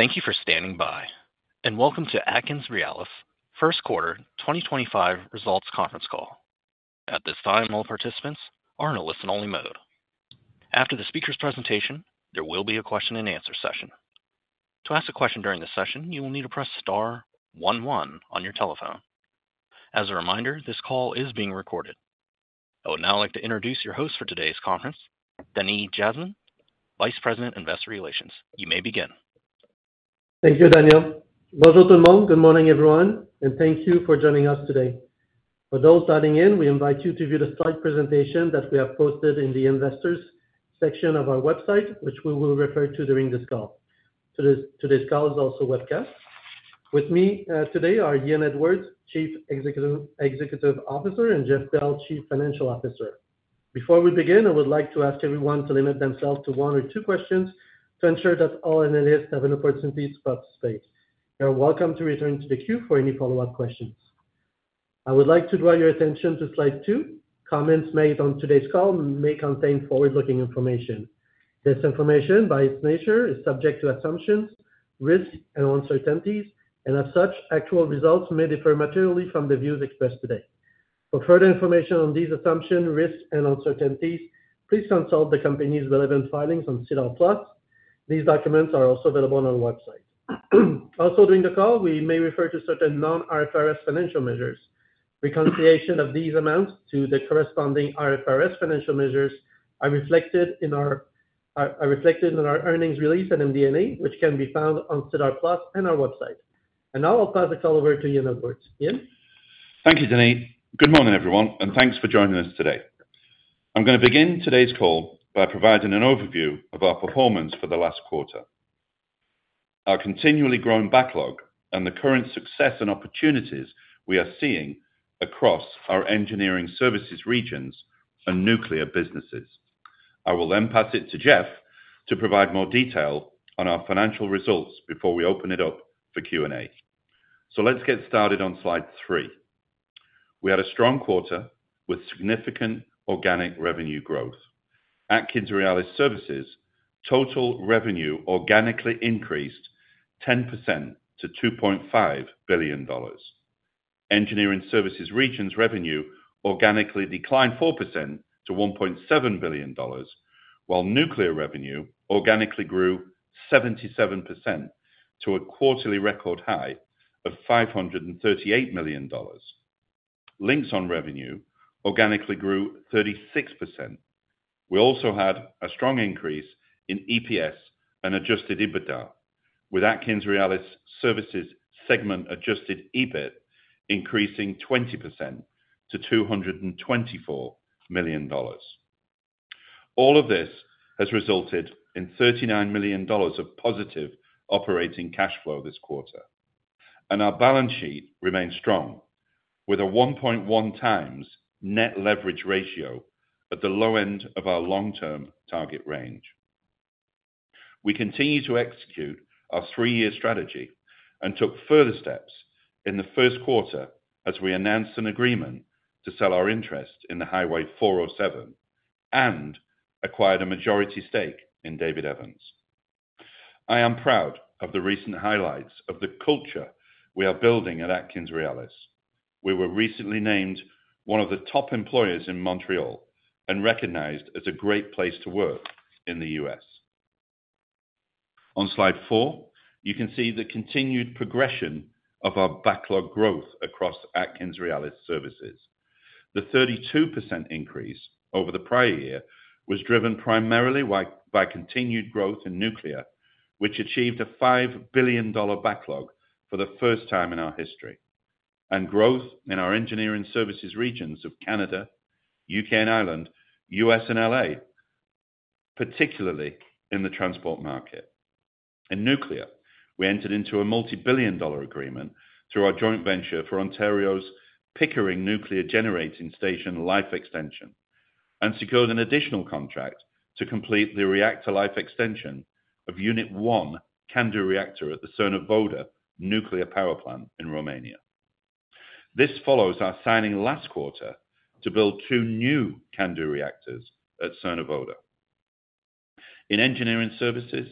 Thank you for standing by, and welcome to AtkinsRéalis First Quarter 2025 Results Conference Call. At this time, all participants are in a listen-only mode. After the speaker's presentation, there will be a question-and-answer session. To ask a question during the session, you will need to press star one-one on your telephone. As a reminder, this call is being recorded. I would now like to introduce your host for today's conference, Denis Jasmin, Vice President, Investor Relations. You may begin. Thank you, Daniel. Bonjour tout le monde. Good morning, everyone, and thank you for joining us today. For those adding in, we invite you to view the slide presentation that we have posted in the investors' section of our website, which we will refer to during this call. Today's call is also webcast. With me today are Ian Edwards, Chief Executive Officer, and Jeff Bell, Chief Financial Officer. Before we begin, I would like to ask everyone to limit themselves to one or two questions to ensure that all analysts have an opportunity to participate. You're welcome to return to the queue for any follow-up questions. I would like to draw your attention to slide two. Comments made on today's call may contain forward-looking information. This information, by its nature, is subject to assumptions, risks, and uncertainties, and as such, actual results may differ materially from the views expressed today. For further information on these assumptions, risks, and uncertainties, please consult the company's relevant filings on SEDAR Plus. These documents are also available on our website. Also, during the call, we may refer to certain non-IFRS financial measures. Reconciliation of these amounts to the corresponding IFRS financial measures are reflected in our earnings release and MD&A, which can be found on SEDAR Plus and our website. Now I'll pass the call over to Ian Edwards. Ian. Thank you, Denis. Good morning, everyone, and thanks for joining us today. I'm going to begin today's call by providing an overview of our performance for the last quarter. Our continually growing backlog and the current success and opportunities we are seeing across our engineering services regions and nuclear businesses. I will then pass it to Jeff to provide more detail on our financial results before we open it up for Q&A. Let's get started on slide three. We had a strong quarter with significant organic revenue growth. AtkinsRéalis Services' total revenue organically increased 10% to 2.5 billion dollars. Engineering services regions' revenue organically declined 4% to 1.7 billion dollars, while nuclear revenue organically grew 77% to a quarterly record high of 538 million dollars. Links on revenue organically grew 36%. We also had a strong increase in EPS and adjusted EBITDA, with AtkinsRéalis Services' segment-adjusted EBIT increasing 20% to 224 million dollars. All of this has resulted in 39 million dollars of positive operating cash flow this quarter, and our balance sheet remains strong, with a 1.1 times net leverage ratio at the low end of our long-term target range. We continue to execute our three-year strategy and took further steps in the first quarter as we announced an agreement to sell our interest in Highway 407 and acquired a majority stake in David Evans & Associates. I am proud of the recent highlights of the culture we are building at AtkinsRéalis. We were recently named one of the top employers in Montreal and recognized as a great place to work in the U.S. On slide four, you can see the continued progression of our backlog growth across AtkinsRéalis Services. The 32% increase over the prior year was driven primarily by continued growth in nuclear, which achieved a 5 billion dollar backlog for the first time in our history, and growth in our engineering services regions of Canada, U.K. and Ireland, U.S., and L.A., particularly in the transport market. In nuclear, we entered into a multi-billion dollar agreement through our joint venture for Ontario's Pickering Nuclear Generating Station life extension and secured an additional contract to complete the reactor life extension of unit one CANDU reactor at the Cernavoda Nuclear Power Plant in Romania. This follows our signing last quarter to build two new CANDU reactors at Cernavoda. In engineering services,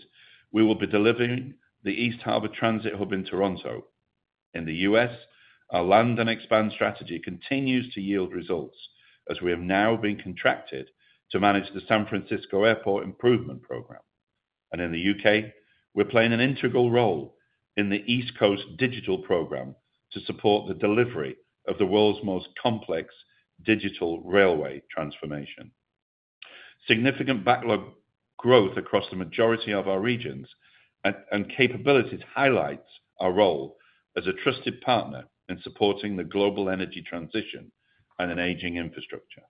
we will be delivering the East Harbour Transit Hub in Toronto. In the U.S., our land and expand strategy continues to yield results as we have now been contracted to manage the San Francisco Airport Improvement Program. In the U.K., we're playing an integral role in the East Coast Digital Program to support the delivery of the world's most complex digital railway transformation. Significant backlog growth across the majority of our regions and capabilities highlights our role as a trusted partner in supporting the global energy transition and an aging infrastructure.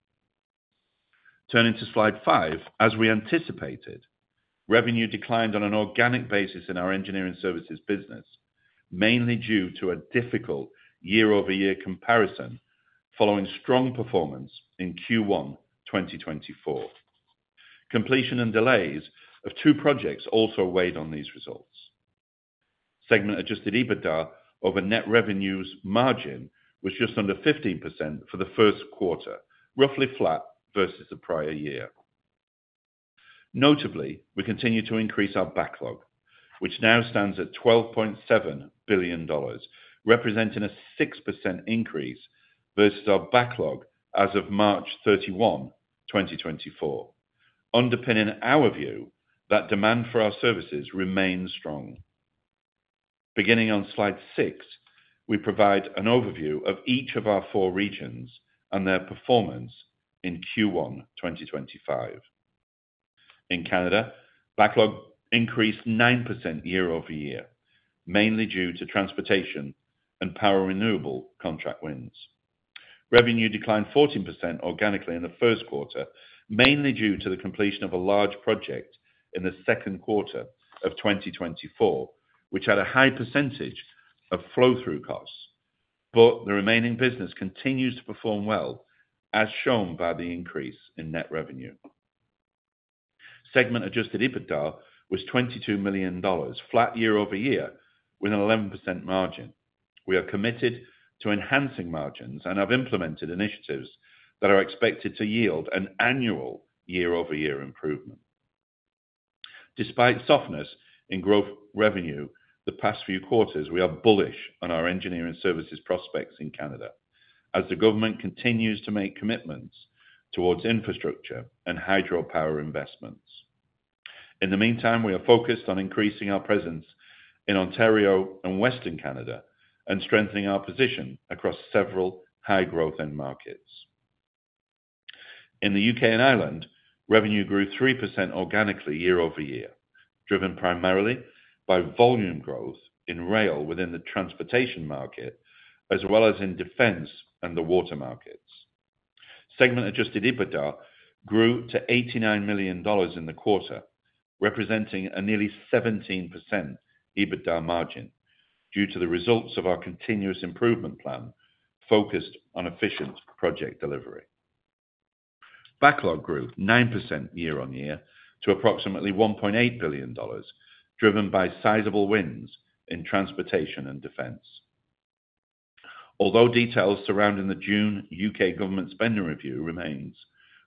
Turning to slide five, as we anticipated, revenue declined on an organic basis in our engineering services business, mainly due to a difficult year-over-year comparison following strong performance in Q1 2024. Completion and delays of two projects also weighed on these results. Segment-adjusted EBITDA over net revenues margin was just under 15% for the first quarter, roughly flat versus the prior year. Notably, we continue to increase our backlog, which now stands at 12.7 billion dollars, representing a 6% increase versus our backlog as of March 31, 2024. Underpinning our view, that demand for our services remains strong. Beginning on slide six, we provide an overview of each of our four regions and their performance in Q1 2025. In Canada, backlog increased 9% year-over-year, mainly due to transportation and power renewable contract wins. Revenue declined 14% organically in the first quarter, mainly due to the completion of a large project in the second quarter of 2024, which had a high percentage of flow-through costs. The remaining business continues to perform well, as shown by the increase in net revenue. Segment-adjusted EBITDA was 22 million dollars, flat year-over-year, with an 11% margin. We are committed to enhancing margins and have implemented initiatives that are expected to yield an annual year-over-year improvement. Despite softness in growth revenue the past few quarters, we are bullish on our engineering services prospects in Canada as the government continues to make commitments towards infrastructure and hydropower investments. In the meantime, we are focused on increasing our presence in Ontario and Western Canada and strengthening our position across several high-growth end markets. In the U.K. and Ireland, revenue grew 3% organically year-over-year, driven primarily by volume growth in rail within the transportation market, as well as in defense and the water markets. Segment-adjusted EBITDA grew to 89 million dollars in the quarter, representing a nearly 17% EBITDA margin due to the results of our continuous improvement plan focused on efficient project delivery. Backlog grew 9% year-on-year to approximately 1.8 billion dollars, driven by sizable wins in transportation and defense. Although details surrounding the June U.K. government spending review remain,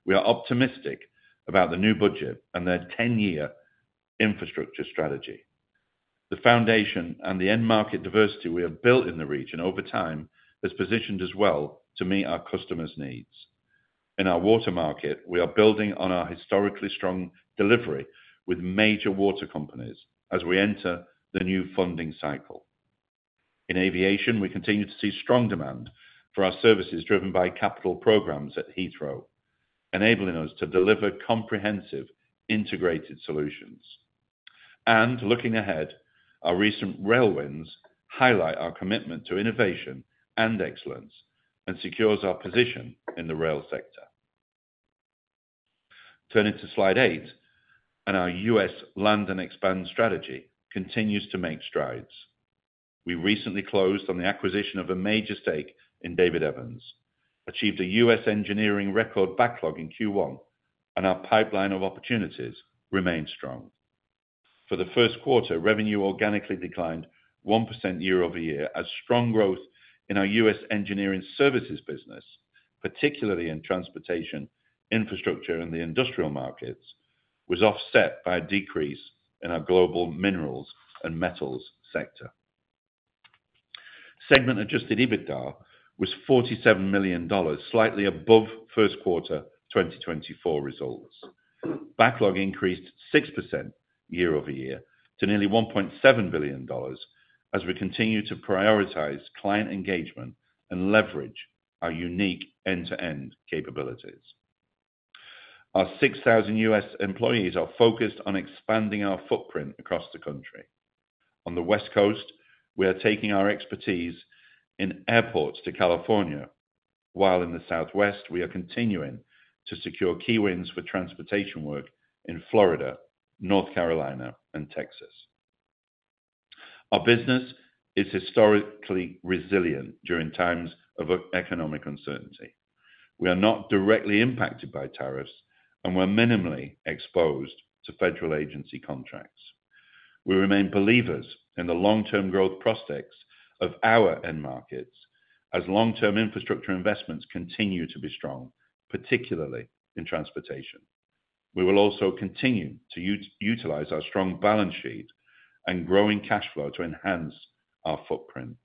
we are optimistic about the new budget and their 10-year infrastructure strategy. The foundation and the end market diversity we have built in the region over time has positioned us well to meet our customers' needs. In our water market, we are building on our historically strong delivery with major water companies as we enter the new funding cycle. In aviation, we continue to see strong demand for our services driven by capital programs at Heathrow, enabling us to deliver comprehensive integrated solutions. Looking ahead, our recent rail wins highlight our commitment to innovation and excellence and secure our position in the rail sector. Turning to slide eight, our U.S. land and expand strategy continues to make strides. We recently closed on the acquisition of a major stake in David Evans & Associates, achieved a U.S. engineering record backlog in Q1, and our pipeline of opportunities remained strong. For the first quarter, revenue organically declined 1% year-over-year as strong growth in our U.S. engineering services business, particularly in transportation, infrastructure, and the industrial markets, was offset by a decrease in our global minerals and metals sector. Segment-adjusted EBITDA was $47 million, slightly above first quarter 2024 results. Backlog increased 6% year-over-year to nearly $1.7 billion as we continue to prioritize client engagement and leverage our unique end-to-end capabilities. Our 6,000 U.S. employees are focused on expanding our footprint across the country. On the West Coast, we are taking our expertise in airports to California, while in the Southwest, we are continuing to secure key wins for transportation work in Florida, North Carolina, and Texas. Our business is historically resilient during times of economic uncertainty. We are not directly impacted by tariffs, and we're minimally exposed to federal agency contracts. We remain believers in the long-term growth prospects of our end markets as long-term infrastructure investments continue to be strong, particularly in transportation. We will also continue to utilize our strong balance sheet and growing cash flow to enhance our footprint.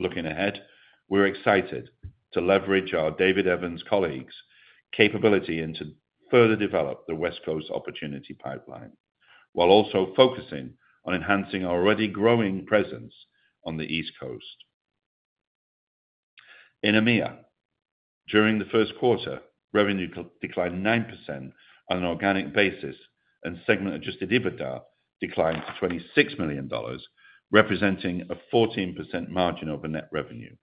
Looking ahead, we're excited to leverage our David Evans colleagues' capability and to further develop the West Coast opportunity pipeline, while also focusing on enhancing our already growing presence on the East Coast. In EMEA, during the first quarter, revenue declined 9% on an organic basis, and segment-adjusted EBITDA declined to 26 million dollars, representing a 14% margin over net revenue.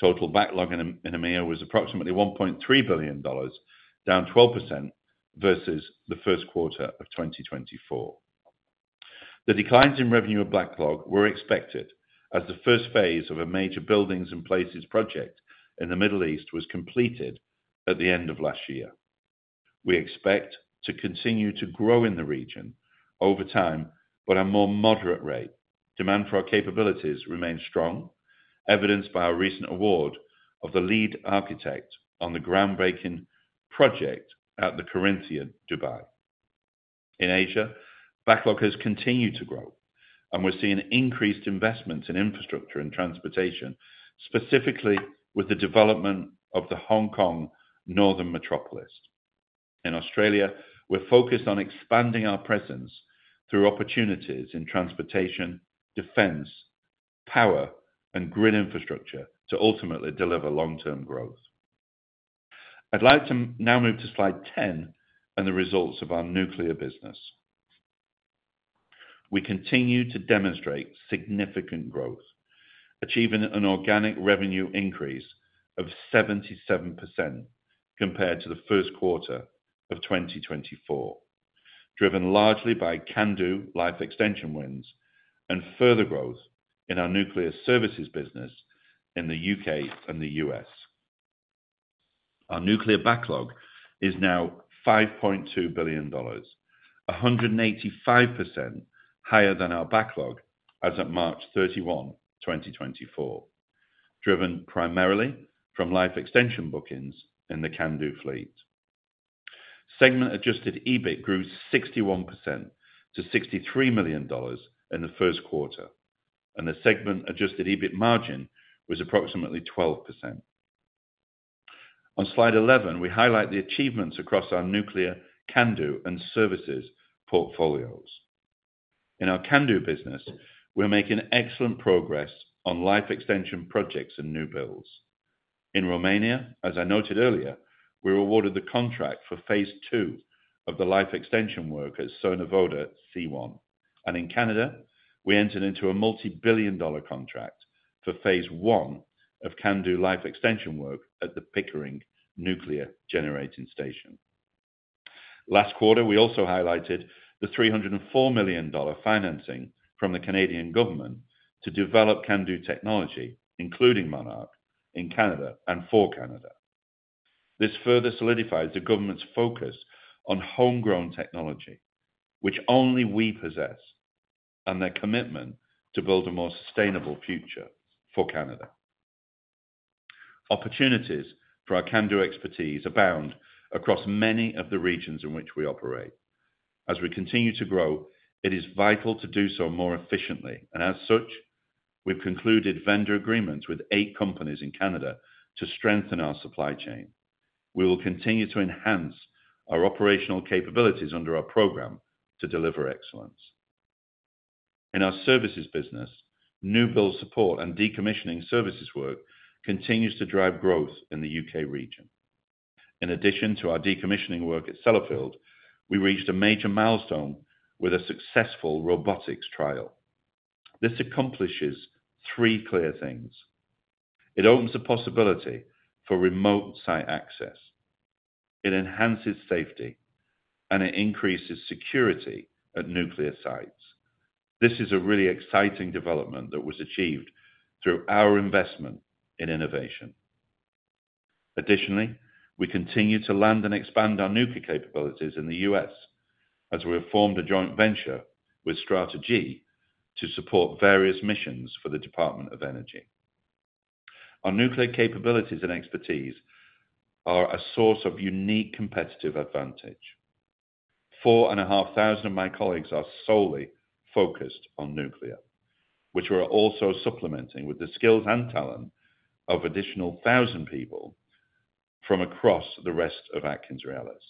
Total backlog in EMEA was approximately 1.3 billion dollars, down 12% versus the first quarter of 2024. The declines in revenue and backlog were expected as the first phase of a major buildings and places project in the Middle East was completed at the end of last year. We expect to continue to grow in the region over time, but at a more moderate rate. Demand for our capabilities remains strong, evidenced by our recent award of the lead architect on the groundbreaking project at the Corinthian Dubai. In Asia, backlog has continued to grow, and we're seeing increased investments in infrastructure and transportation, specifically with the development of the Hong Kong Northern Metropolis. In Australia, we're focused on expanding our presence through opportunities in transportation, defense, power, and grid infrastructure to ultimately deliver long-term growth. I'd like to now move to slide 10 and the results of our nuclear business. We continue to demonstrate significant growth, achieving an organic revenue increase of 77% compared to the first quarter of 2024, driven largely by CANDU life extension wins and further growth in our nuclear services business in the U.K. and the U.S. Our nuclear backlog is now 5.2 billion dollars, 185% higher than our backlog as of March 31, 2024, driven primarily from life extension bookings in the CANDU fleet. Segment-adjusted EBIT grew 61% to 63 million dollars in the first quarter, and the segment-adjusted EBIT margin was approximately 12%. On slide 11, we highlight the achievements across our nuclear CANDU and services portfolios. In our CANDU business, we're making excellent progress on life extension projects and new builds. In Romania, as I noted earlier, we were awarded the contract for phase two of the life extension work at Cernavoda C1. In Canada, we entered into a multi-billion dollar contract for phase one of CANDU life extension work at the Pickering Nuclear Generating Station. Last quarter, we also highlighted the 304 million dollar financing from the Canadian government to develop CANDU technology, including Monarch in Canada and for Canada. This further solidifies the government's focus on homegrown technology, which only we possess, and their commitment to build a more sustainable future for Canada. Opportunities for our CANDU expertise abound across many of the regions in which we operate. As we continue to grow, it is vital to do so more efficiently. As such, we have concluded vendor agreements with eight companies in Canada to strengthen our supply chain. We will continue to enhance our operational capabilities under our program to deliver excellence. In our services business, new build support and decommissioning services work continues to drive growth in the U.K. region. In addition to our decommissioning work at Sellafield, we reached a major milestone with a successful robotics trial. This accomplishes three clear things. It opens a possibility for remote site access. It enhances safety, and it increases security at nuclear sites. This is a really exciting development that was achieved through our investment in innovation. Additionally, we continue to land and expand our nuclear capabilities in the U.S. as we have formed a joint venture with Strata-G to support various missions for the Department of Energy. Our nuclear capabilities and expertise are a source of unique competitive advantage. Four and a half thousand of my colleagues are solely focused on nuclear, which we are also supplementing with the skills and talent of an additional thousand people from across the rest of AtkinsRéalis.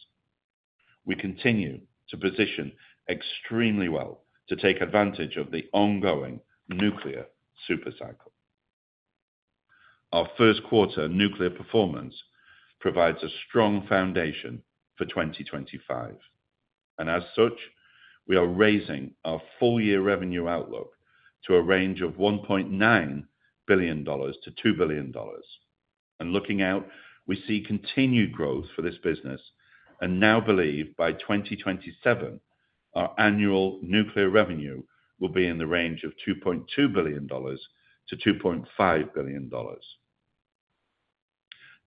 We continue to position extremely well to take advantage of the ongoing nuclear supercycle. Our first quarter nuclear performance provides a strong foundation for 2025. As such, we are raising our full-year revenue outlook to a range of 1.9 billion-2 billion dollars. Looking out, we see continued growth for this business and now believe by 2027, our annual nuclear revenue will be in the range of 2.2 billion-2.5 billion dollars.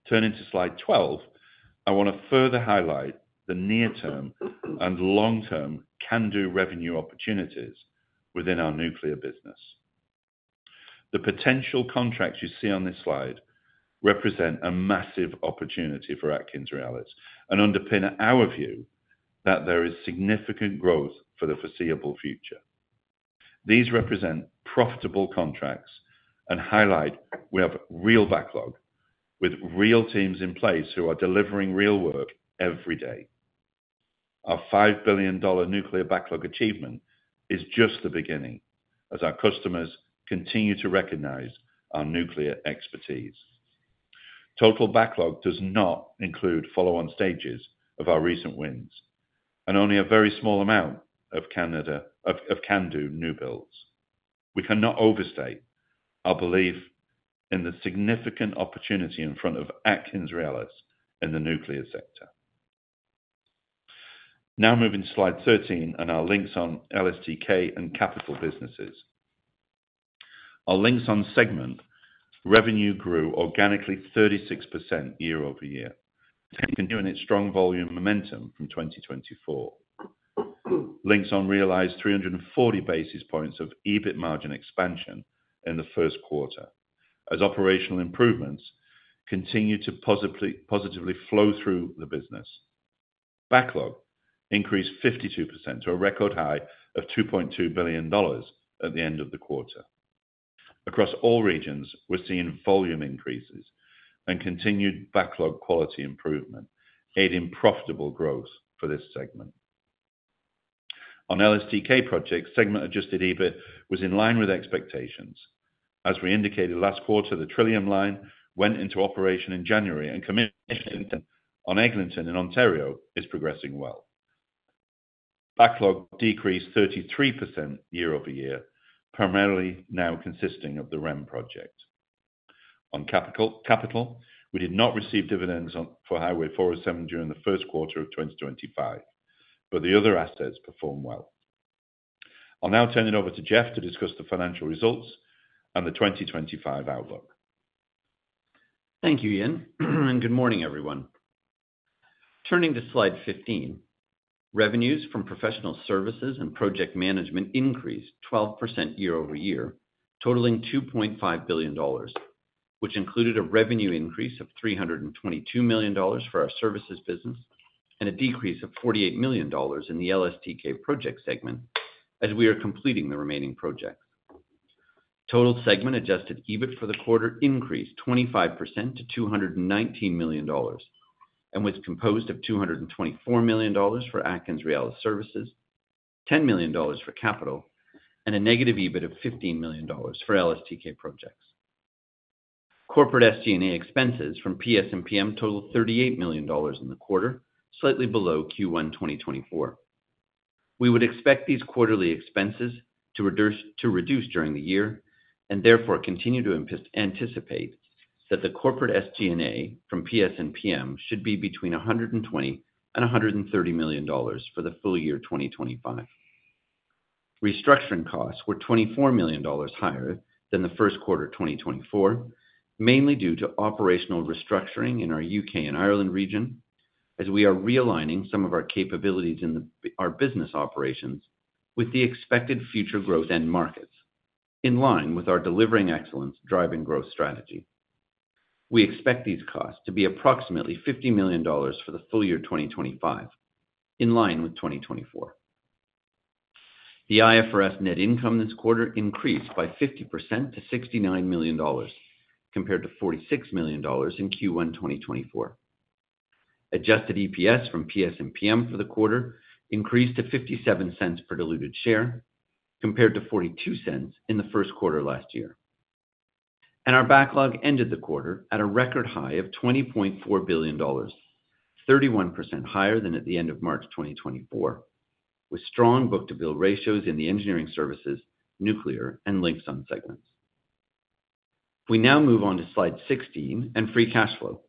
Turning to slide 12, I want to further highlight the near-term and long-term CANDU revenue opportunities within our nuclear business. The potential contracts you see on this slide represent a massive opportunity for AtkinsRéalis and underpin our view that there is significant growth for the foreseeable future. These represent profitable contracts and highlight we have real backlog with real teams in place who are delivering real work every day. Our 5 billion dollar nuclear backlog achievement is just the beginning as our customers continue to recognize our nuclear expertise. Total backlog does not include follow-on stages of our recent wins and only a very small amount of Canada of CANDU new builds. We cannot overstate our belief in the significant opportunity in front of AtkinsRéalis in the nuclear sector. Now moving to slide 13 and our links on LSTK and capital businesses. Our Links on segment revenue grew organically 36% year-over-year, continuing its strong volume momentum from 2024. Links on realized 340 basis points of EBIT margin expansion in the first quarter as operational improvements continue to positively flow through the business. Backlog increased 52% to a record high of 2.2 billion dollars at the end of the quarter. Across all regions, we're seeing volume increases and continued backlog quality improvement, aiding profitable growth for this segment. On LSTK projects, segment-adjusted EBIT was in line with expectations. As we indicated last quarter, the trillion line went into operation in January and commissioning on Eglinton in Ontario is progressing well. Backlog decreased 33% year-over-year, primarily now consisting of the REM project. On capital, we did not receive dividends for Highway 407 during the first quarter of 2025, but the other assets performed well. I'll now turn it over to Jeff to discuss the financial results and the 2025 outlook. Thank you, Ian. Good morning, everyone. Turning to slide 15, revenues from professional services and project management increased 12% year-over-year, totaling 2.5 billion dollars, which included a revenue increase of 322 million dollars for our services business and a decrease of 48 million dollars in the LSTK project segment as we are completing the remaining projects. Total segment-adjusted EBIT for the quarter increased 25% to 219 million dollars and was composed of 224 million dollars for AtkinsRéalis services, 10 million dollars for capital, and a negative EBIT of 15 million dollars for LSTK projects. Corporate SG&A expenses from PS&PM totaled 38 million dollars in the quarter, slightly below Q1 2024. We would expect these quarterly expenses to reduce during the year and therefore continue to anticipate that the corporate SG&A from PS&PM should be between 120 million and 130 million dollars for the full year 2025. Restructuring costs were 24 million dollars higher than the first quarter 2024, mainly due to operational restructuring in our U.K. and Ireland region as we are realigning some of our capabilities in our business operations with the expected future growth and markets in line with our delivering excellence driving growth strategy. We expect these costs to be approximately 50 million dollars for the full year 2025 in line with 2024. The IFRS net income this quarter increased by 50% to 69 million dollars compared to 46 million dollars in Q1 2024. Adjusted EPS from PS&PM for the quarter increased to 0.57 per diluted share compared to 0.42 in the first quarter last year. Our backlog ended the quarter at a record high of 20.4 billion dollars, 31% higher than at the end of March 2024, with strong book-to-bill ratios in the engineering services, nuclear, and links on segments. We now move on to slide 16 and free cash flow.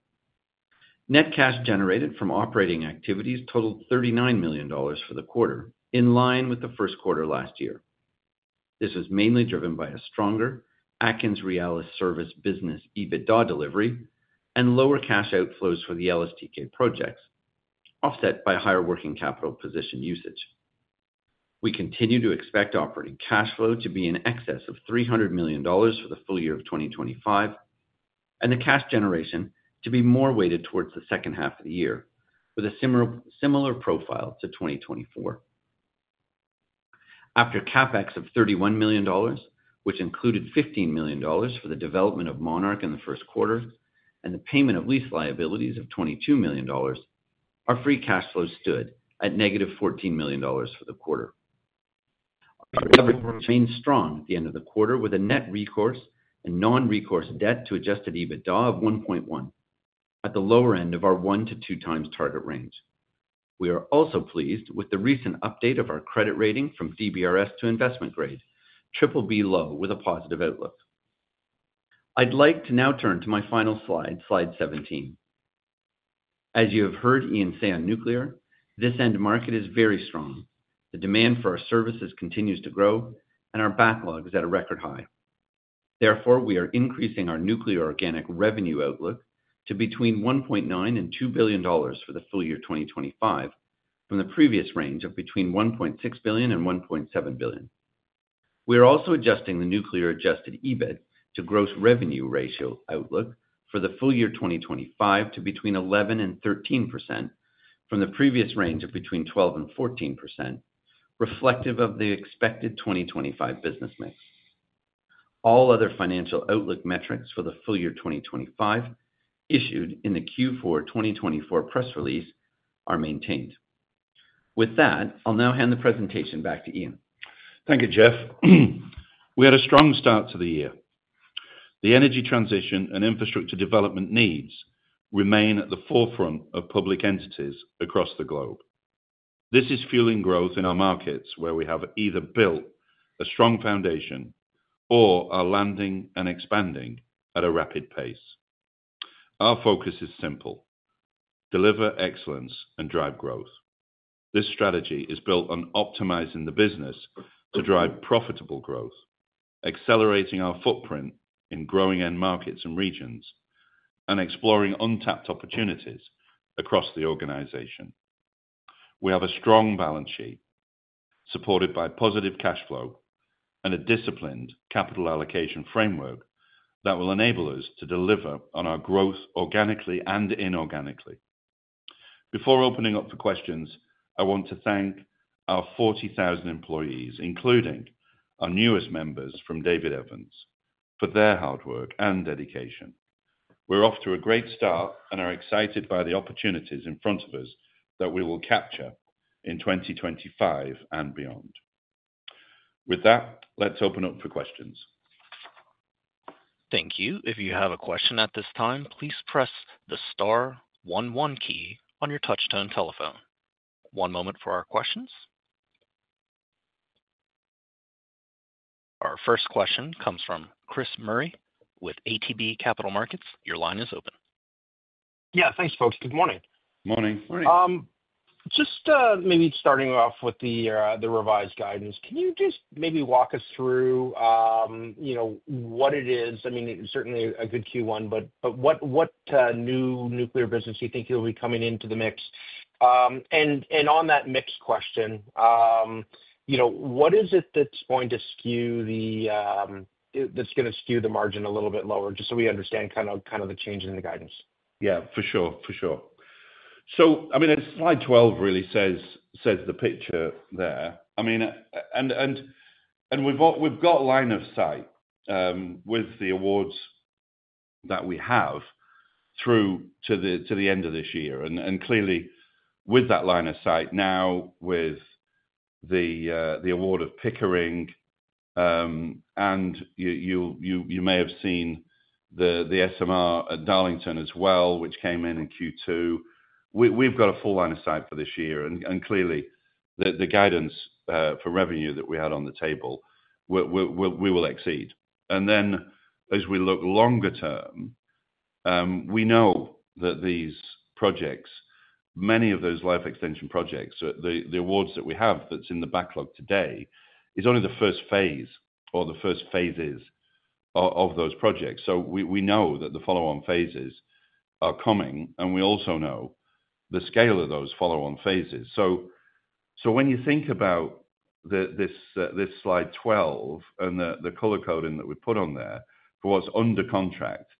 Net cash generated from operating activities totaled 39 million dollars for the quarter in line with the first quarter last year. This was mainly driven by a stronger AtkinsRéalis service business EBITDA delivery and lower cash outflows for the LSTK projects, offset by higher working capital position usage. We continue to expect operating cash flow to be in excess of 300 million dollars for the full year of 2025, and the cash generation to be more weighted towards the second half of the year with a similar profile to 2024. After CapEx of 31 million dollars, which included 15 million dollars for the development of Monarch in the first quarter and the payment of lease liabilities of 22 million dollars, our free cash flow stood at negative 14 million dollars for the quarter. Our revenue remained strong at the end of the quarter with a net recourse and non-recourse debt to adjusted EBITDA of 1.1 at the lower end of our one to two times target range. We are also pleased with the recent update of our credit rating from DBRS to investment grade, triple B low with a positive outlook. I'd like to now turn to my final slide, slide 17. As you have heard Ian say on nuclear, this end market is very strong. The demand for our services continues to grow, and our backlog is at a record high. Therefore, we are increasing our nuclear organic revenue outlook to between 1.9 billion and 2 billion dollars for the full year 2025 from the previous range of between 1.6 billion and 1.7 billion. We are also adjusting the nuclear adjusted EBIT to gross revenue ratio outlook for the full year 2025 to between 11%-13% from the previous range of between 12%-14%, reflective of the expected 2025 business mix. All other financial outlook metrics for the full year 2025 issued in the Q4 2024 press release are maintained. With that, I'll now hand the presentation back to Ian. Thank you, Jeff. We had a strong start to the year. The energy transition and infrastructure development needs remain at the forefront of public entities across the globe. This is fueling growth in our markets where we have either built a strong foundation or are landing and expanding at a rapid pace. Our focus is simple: deliver excellence and drive growth. This strategy is built on optimizing the business to drive profitable growth, accelerating our footprint in growing end markets and regions, and exploring untapped opportunities across the organization. We have a strong balance sheet supported by positive cash flow and a disciplined capital allocation framework that will enable us to deliver on our growth organically and inorganically. Before opening up for questions, I want to thank our 40,000 employees, including our newest members from David Evans, for their hard work and dedication. We're off to a great start and are excited by the opportunities in front of us that we will capture in 2025 and beyond. With that, let's open up for questions. Thank you. If you have a question at this time, please press the star one one key on your touch-tone telephone. One moment for our questions. Our first question comes from Chris Murray with ATB Capital Markets. Your line is open. Yeah, thanks, folks. Good morning. Morning. Morning. Just maybe starting off with the revised guidance, can you just maybe walk us through what it is? I mean, it's certainly a good Q1, but what new nuclear business do you think you'll be coming into the mix? On that mix question, what is it that's going to skew the margin a little bit lower just so we understand kind of the changes in the guidance? Yeah, for sure. I mean, slide 12 really says the picture there. I mean, we've got line of sight with the awards that we have through to the end of this year. Clearly, with that line of sight now with the award of Pickering, and you may have seen the SMR at Darlington as well, which came in in Q2, we've got a full line of sight for this year. Clearly, the guidance for revenue that we had on the table, we will exceed. As we look longer term, we know that these projects, many of those life extension projects, the awards that we have that's in the backlog today is only the first phase or the first phases of those projects. We know that the follow-on phases are coming, and we also know the scale of those follow-on phases. When you think about this slide 12 and the color coding that we put on there for what's under contract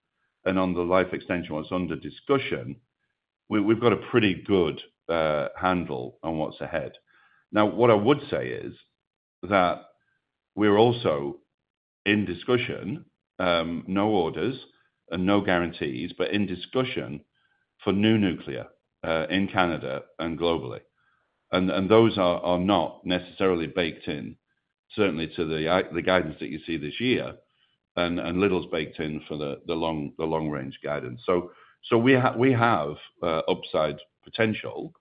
and under life extension, what's under discussion, we've got a pretty good handle on what's ahead. What I would say is that we're also in discussion, no orders and no guarantees, but in discussion for new nuclear in Canada and globally. Those are not necessarily baked in, certainly to the guidance that you see this year, and little's baked in for the long-range guidance. We have upside potential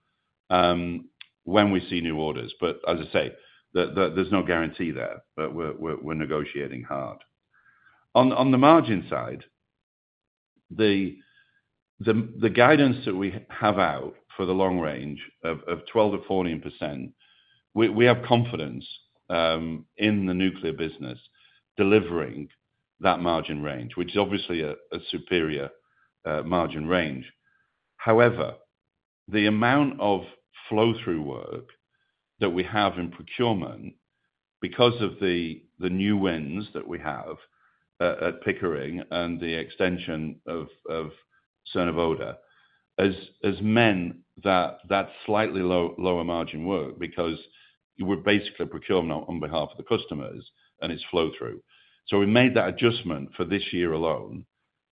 when we see new orders. As I say, there's no guarantee there, but we're negotiating hard. On the margin side, the guidance that we have out for the long range of 12-14%, we have confidence in the nuclear business delivering that margin range, which is obviously a superior margin range. However, the amount of flow-through work that we have in procurement because of the new wins that we have at Pickering and the extension of Cernavoda has meant that that's slightly lower margin work because we're basically procuring on behalf of the customers and it's flow-through. We made that adjustment for this year alone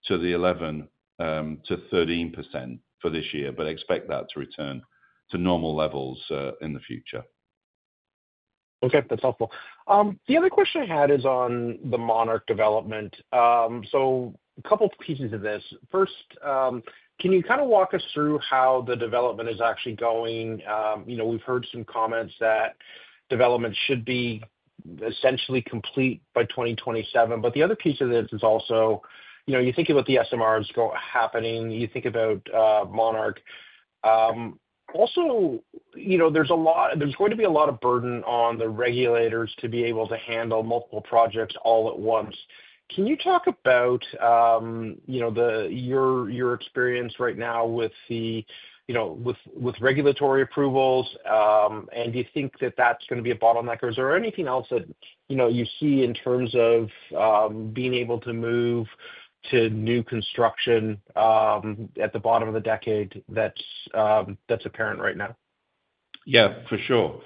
to the 11-13% for this year, but expect that to return to normal levels in the future. Okay, that's helpful. The other question I had is on the Monarch development. A couple of pieces of this. First, can you kind of walk us through how the development is actually going? We've heard some comments that development should be essentially complete by 2027. The other piece of this is also you think about the SMRs happening, you think about Monarch. Also, there's going to be a lot of burden on the regulators to be able to handle multiple projects all at once. Can you talk about your experience right now with regulatory approvals? Do you think that that's going to be a bottleneck? Or is there anything else that you see in terms of being able to move to new construction at the bottom of the decade that's apparent right now? Yeah, for sure.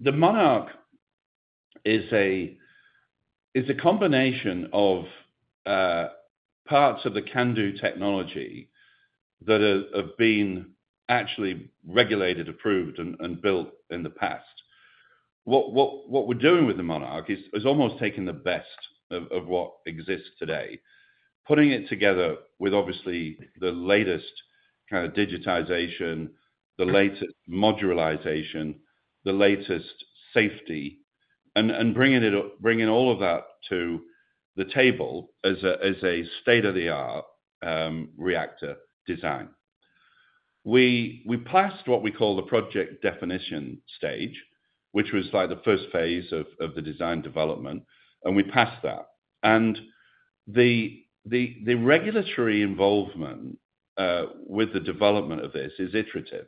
The Monarch is a combination of parts of the CANDU technology that have been actually regulated, approved, and built in the past. What we're doing with the Monarch is almost taking the best of what exists today, putting it together with obviously the latest kind of digitization, the latest modularization, the latest safety, and bringing all of that to the table as a state-of-the-art reactor design. We passed what we call the project definition stage, which was like the first phase of the design development, and we passed that. The regulatory involvement with the development of this is iterative.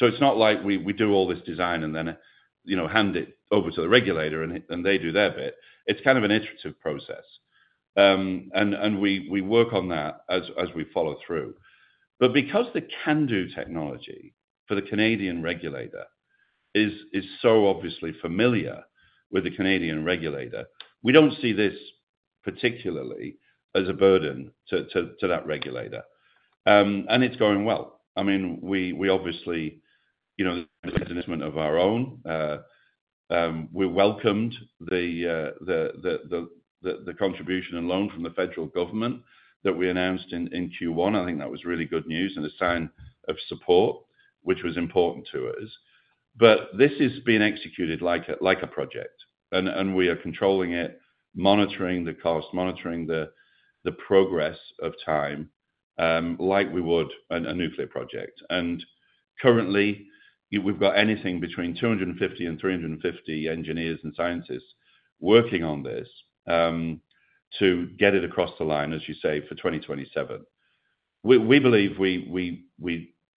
It is not like we do all this design and then hand it over to the regulator and they do their bit. It is kind of an iterative process. We work on that as we follow through. Because the CANDU technology for the Canadian regulator is so obviously familiar with the Canadian regulator, we do not see this particularly as a burden to that regulator. It is going well. I mean, we obviously have an investment of our own. We welcomed the contribution and loan from the federal government that we announced in Q1. I think that was really good news and a sign of support, which was important to us. This has been executed like a project, and we are controlling it, monitoring the cost, monitoring the progress of time like we would a nuclear project. Currently, we've got anything between 250 and 350 engineers and scientists working on this to get it across the line, as you say, for 2027. We believe we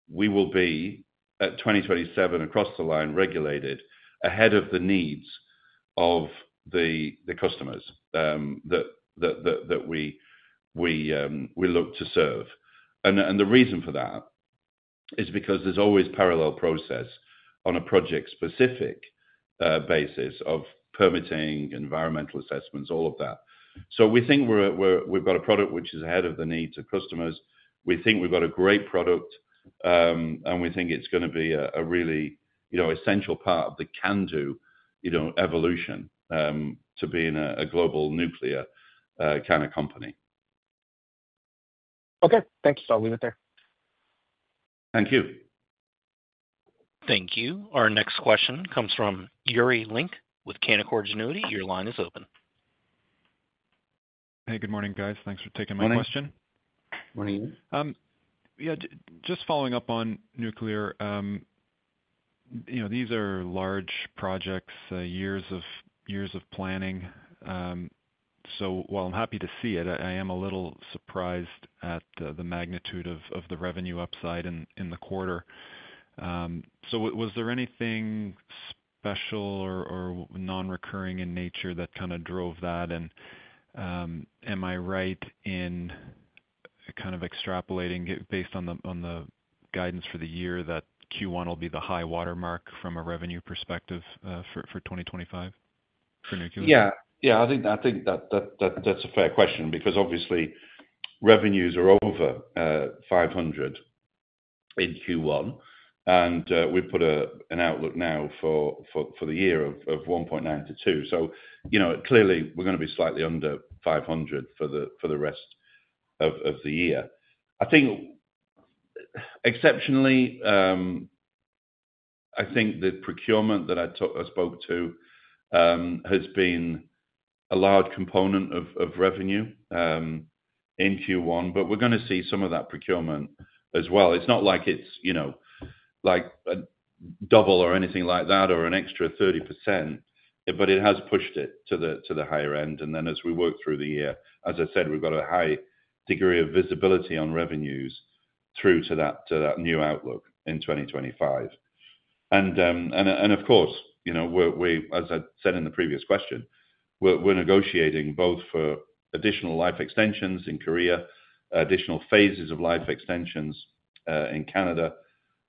will be at 2027 across the line regulated ahead of the needs of the customers that we look to serve. The reason for that is because there's always parallel process on a project-specific basis of permitting, environmental assessments, all of that. So we think we've got a product which is ahead of the needs of customers. We think we've got a great product, and we think it's going to be a really essential part of the CANDU evolution to being a global nuclear kind of company. Okay, thanks. I'll leave it there. Thank you. Thank you. Our next question comes from Yuri Lynk with Canaccord Genuity. Your line is open. Hey, good morning, guys. Thanks for taking my question. Morning. Yeah, just following up on nuclear, these are large projects, years of planning. While I'm happy to see it, I am a little surprised at the magnitude of the revenue upside in the quarter. Was there anything special or non-recurring in nature that kind of drove that? Am I right in kind of extrapolating based on the guidance for the year that Q1 will be the high watermark from a revenue perspective for 2025 for nuclear? Yeah. Yeah, I think that's a fair question because obviously revenues are over 500 million in Q1, and we put an outlook now for the year of 1.9 billion-2 billion. Clearly, we're going to be slightly under 500 million for the rest of the year. I think exceptionally, I think the procurement that I spoke to has been a large component of revenue in Q1, but we're going to see some of that procurement as well. It's not like it's double or anything like that or an extra 30%, but it has pushed it to the higher end. As we work through the year, as I said, we have a high degree of visibility on revenues through to that new outlook in 2025. Of course, as I said in the previous question, we are negotiating both for additional life extensions in Korea, additional phases of life extensions in Canada,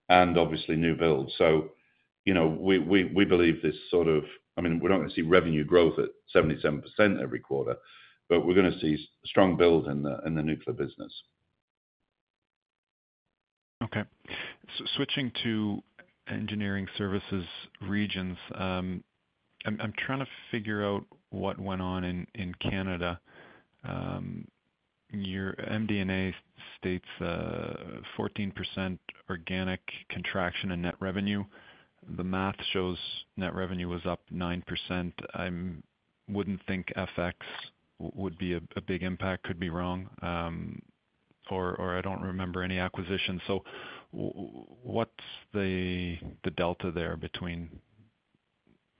and obviously new builds. We believe this sort of, I mean, we are not going to see revenue growth at 77% every quarter, but we are going to see strong build in the nuclear business. Okay. Switching to engineering services regions, I am trying to figure out what went on in Canada. Your MDNA states 14% organic contraction in net revenue. The math shows net revenue was up 9%. I would not think FX would be a big impact. Could be wrong. I do not remember any acquisitions. What's the delta there between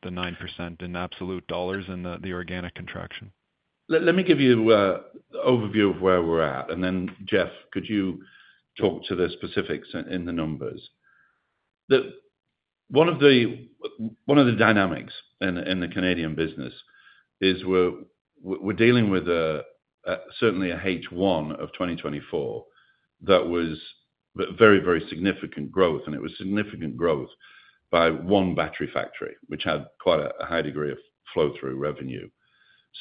the 9% in absolute dollars and the organic contraction? Let me give you an overview of where we're at. Then, Jeff, could you talk to the specifics in the numbers? One of the dynamics in the Canadian business is we're dealing with certainly a H1 of 2024 that was very, very significant growth. It was significant growth by one battery factory, which had quite a high degree of flow-through revenue.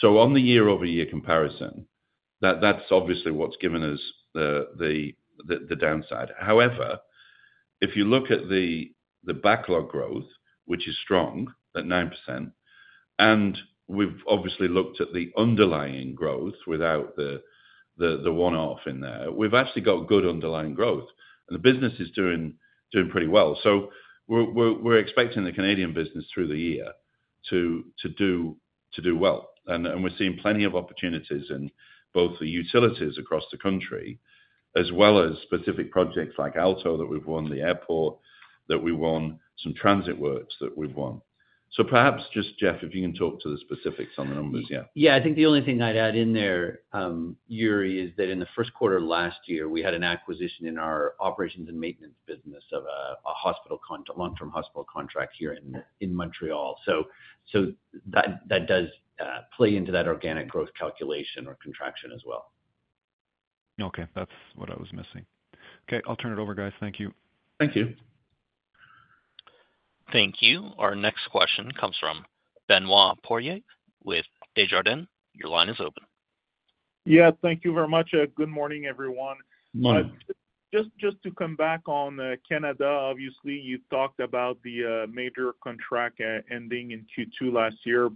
On the year-over-year comparison, that's obviously what's given us the downside. However, if you look at the backlog growth, which is strong at 9%, and we've obviously looked at the underlying growth without the one-off in there, we've actually got good underlying growth. The business is doing pretty well. We're expecting the Canadian business through the year to do well. We're seeing plenty of opportunities in both the utilities across the country as well as specific projects like Alto that we've won, the airport that we won, some transit works that we've won. Perhaps just, Jeff, if you can talk to the specifics on the numbers, yeah. Yeah, I think the only thing I'd add in there, Yuri, is that in the first quarter last year, we had an acquisition in our operations and maintenance business of a long-term hospital contract here in Montreal. That does play into that organic growth calculation or contraction as well. Okay, that's what I was missing. Okay, I'll turn it over, guys. Thank you. Thank you. Thank you. Our next question comes from Benoit Poirier with Desjardins. Your line is open. Yeah, thank you very much. Good morning, everyone. Just to come back on Canada, obviously, you talked about the major contract ending in Q2 last year.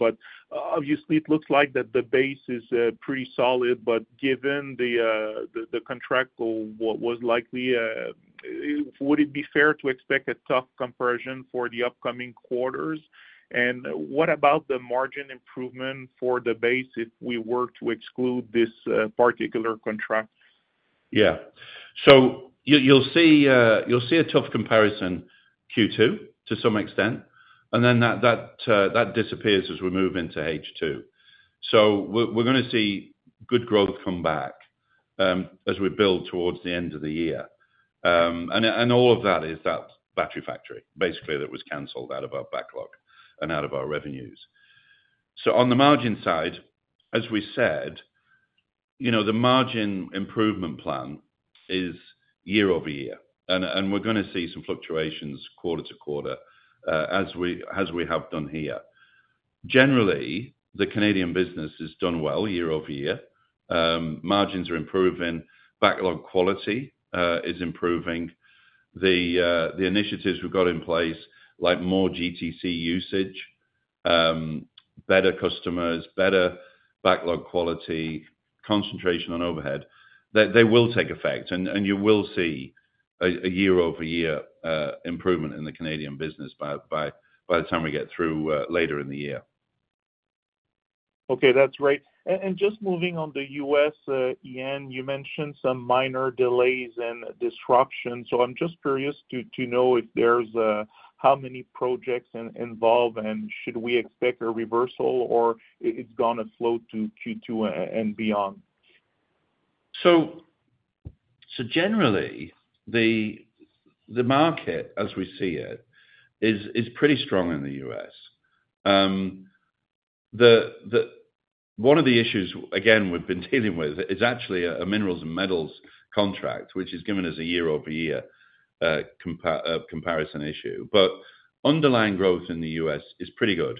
Obviously, it looks like the base is pretty solid. Given the contract go, what was likely, would it be fair to expect a tough comparison for the upcoming quarters? What about the margin improvement for the base if we were to exclude this particular contract? Yeah. You'll see a tough comparison Q2 to some extent, and then that disappears as we move into H2. We're going to see good growth come back as we build towards the end of the year. All of that is that battery factory, basically, that was canceled out of our backlog and out of our revenues. On the margin side, as we said, the margin improvement plan is year-over-year. We're going to see some fluctuations quarter to quarter, as we have done here. Generally, the Canadian business has done well year-over-year. Margins are improving. Backlog quality is improving. The initiatives we've got in place, like more GTC usage, better customers, better backlog quality, concentration on overhead, they will take effect. You will see a year-over-year improvement in the Canadian business by the time we get through later in the year. Okay, that's great. Just moving on the U.S., Ian, you mentioned some minor delays and disruptions. I'm just curious to know if there's how many projects involved, and should we expect a reversal, or it's going to flow to Q2 and beyond? Generally, the market, as we see it, is pretty strong in the U.S. One of the issues, again, we've been dealing with is actually a minerals and metals contract, which has given us a year-over-year comparison issue. Underlying growth in the U.S. is pretty good.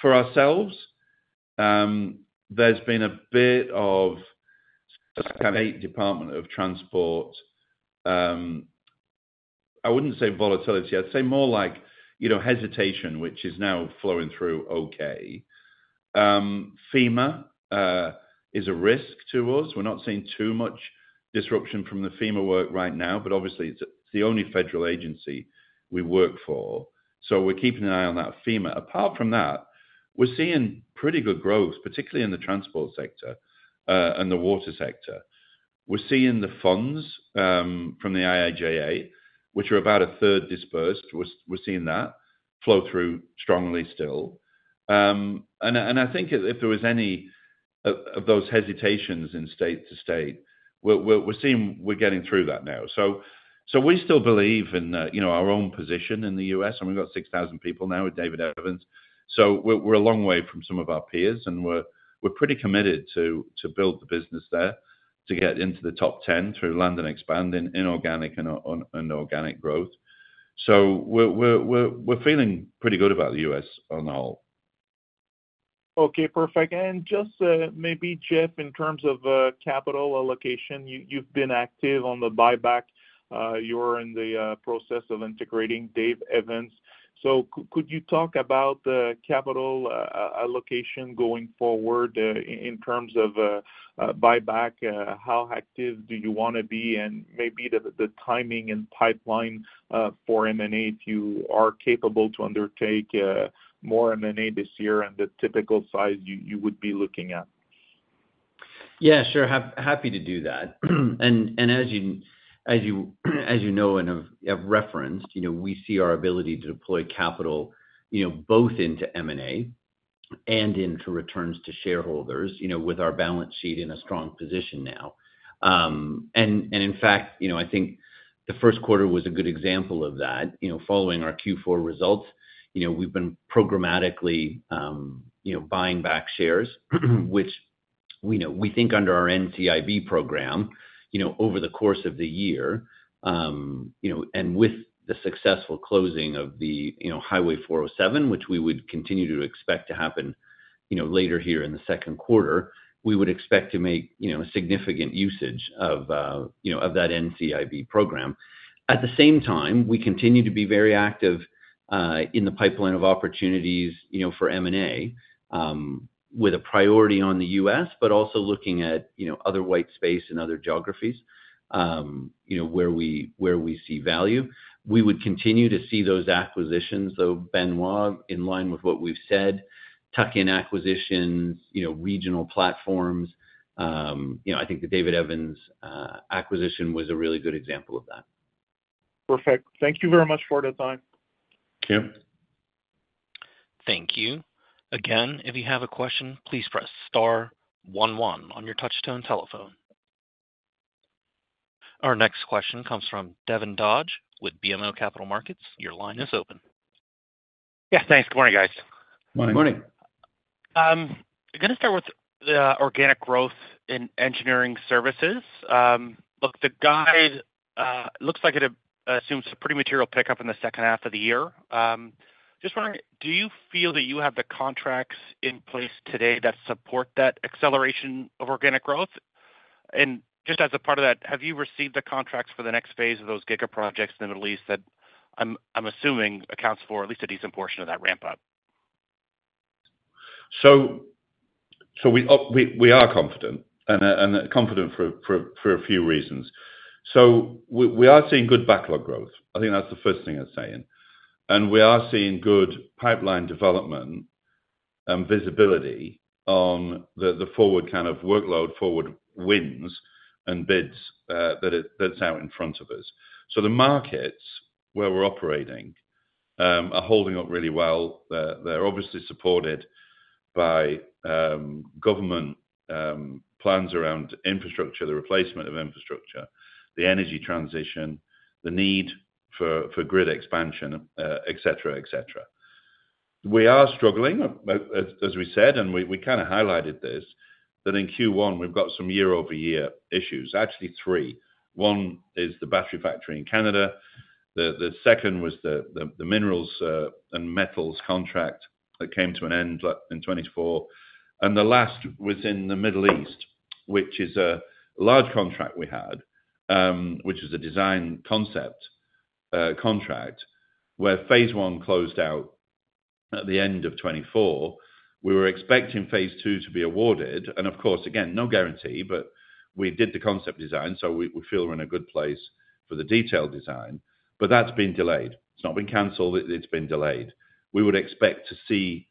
For ourselves, there's been a bit of a state department of transport. I wouldn't say volatility. I'd say more like hesitation, which is now flowing through okay. FEMA is a risk to us. We're not seeing too much disruption from the FEMA work right now, but obviously, it's the only federal agency we work for. We're keeping an eye on that FEMA. Apart from that, we're seeing pretty good growth, particularly in the transport sector and the water sector. We're seeing the funds from the IIJA, which are about a third dispersed. We're seeing that flow through strongly still. I think if there was any of those hesitations in state to state, we're seeing we're getting through that now. We still believe in our own position in the U.S. We've got 6,000 people now at David Evans. We're a long way from some of our peers, and we're pretty committed to build the business there to get into the top 10 through land and expand in organic and organic growth. We're feeling pretty good about the U.S. on the whole. Okay, perfect. Just maybe, Jeff, in terms of capital allocation, you've been active on the buyback. You're in the process of integrating David Evans. Could you talk about capital allocation going forward in terms of buyback? How active do you want to be? Maybe the timing and pipeline for M&A, if you are capable to undertake more M&A this year and the typical size you would be looking at. Yeah, sure. Happy to do that. As you know and have referenced, we see our ability to deploy capital both into M&A and into returns to shareholders with our balance sheet in a strong position now. In fact, I think the first quarter was a good example of that. Following our Q4 results, we have been programmatically buying back shares, which we think under our NCIB program, over the course of the year and with the successful closing of the Highway 407, which we would continue to expect to happen later here in the second quarter, we would expect to make significant usage of that NCIB program. At the same time, we continue to be very active in the pipeline of opportunities for M&A with a priority on the U.S., but also looking at other white space and other geographies where we see value. We would continue to see those acquisitions, though, Benoit, in line with what we've said, tuck-in acquisitions, regional platforms. I think the David Evans acquisition was a really good example of that. Perfect. Thank you very much for the time. Yep. Thank you. Again, if you have a question, please press star one one on your touchstone telephone. Our next question comes from Devin Dodge with BMO Capital Markets. Your line is open. Yes, thanks. Good morning, guys. Morning. Morning. I'm going to start with organic growth in engineering services. Look, the guide looks like it assumes a pretty material pickup in the second half of the year. Just wondering, do you feel that you have the contracts in place today that support that acceleration of organic growth? And just as a part of that, have you received the contracts for the next phase of those Giga projects in the Middle East that I'm assuming accounts for at least a decent portion of that ramp-up? We are confident and confident for a few reasons. We are seeing good backlog growth. I think that's the first thing I'm saying. We are seeing good pipeline development and visibility on the forward kind of workload, forward wins and bids that's out in front of us. The markets where we're operating are holding up really well. They're obviously supported by government plans around infrastructure, the replacement of infrastructure, the energy transition, the need for grid expansion, etc., etc. We are struggling, as we said, and we kind of highlighted this, that in Q1, we've got some year-over-year issues. Actually, three. One is the battery factory in Canada. The second was the minerals and metals contract that came to an end in 2024. And the last was in the Middle East, which is a large contract we had, which is a design concept contract where phase one closed out at the end of 2024. We were expecting phase two to be awarded. Of course, again, no guarantee, but we did the concept design, so we feel we're in a good place for the detailed design. That has been delayed. It has not been canceled. It has been delayed. We would expect to see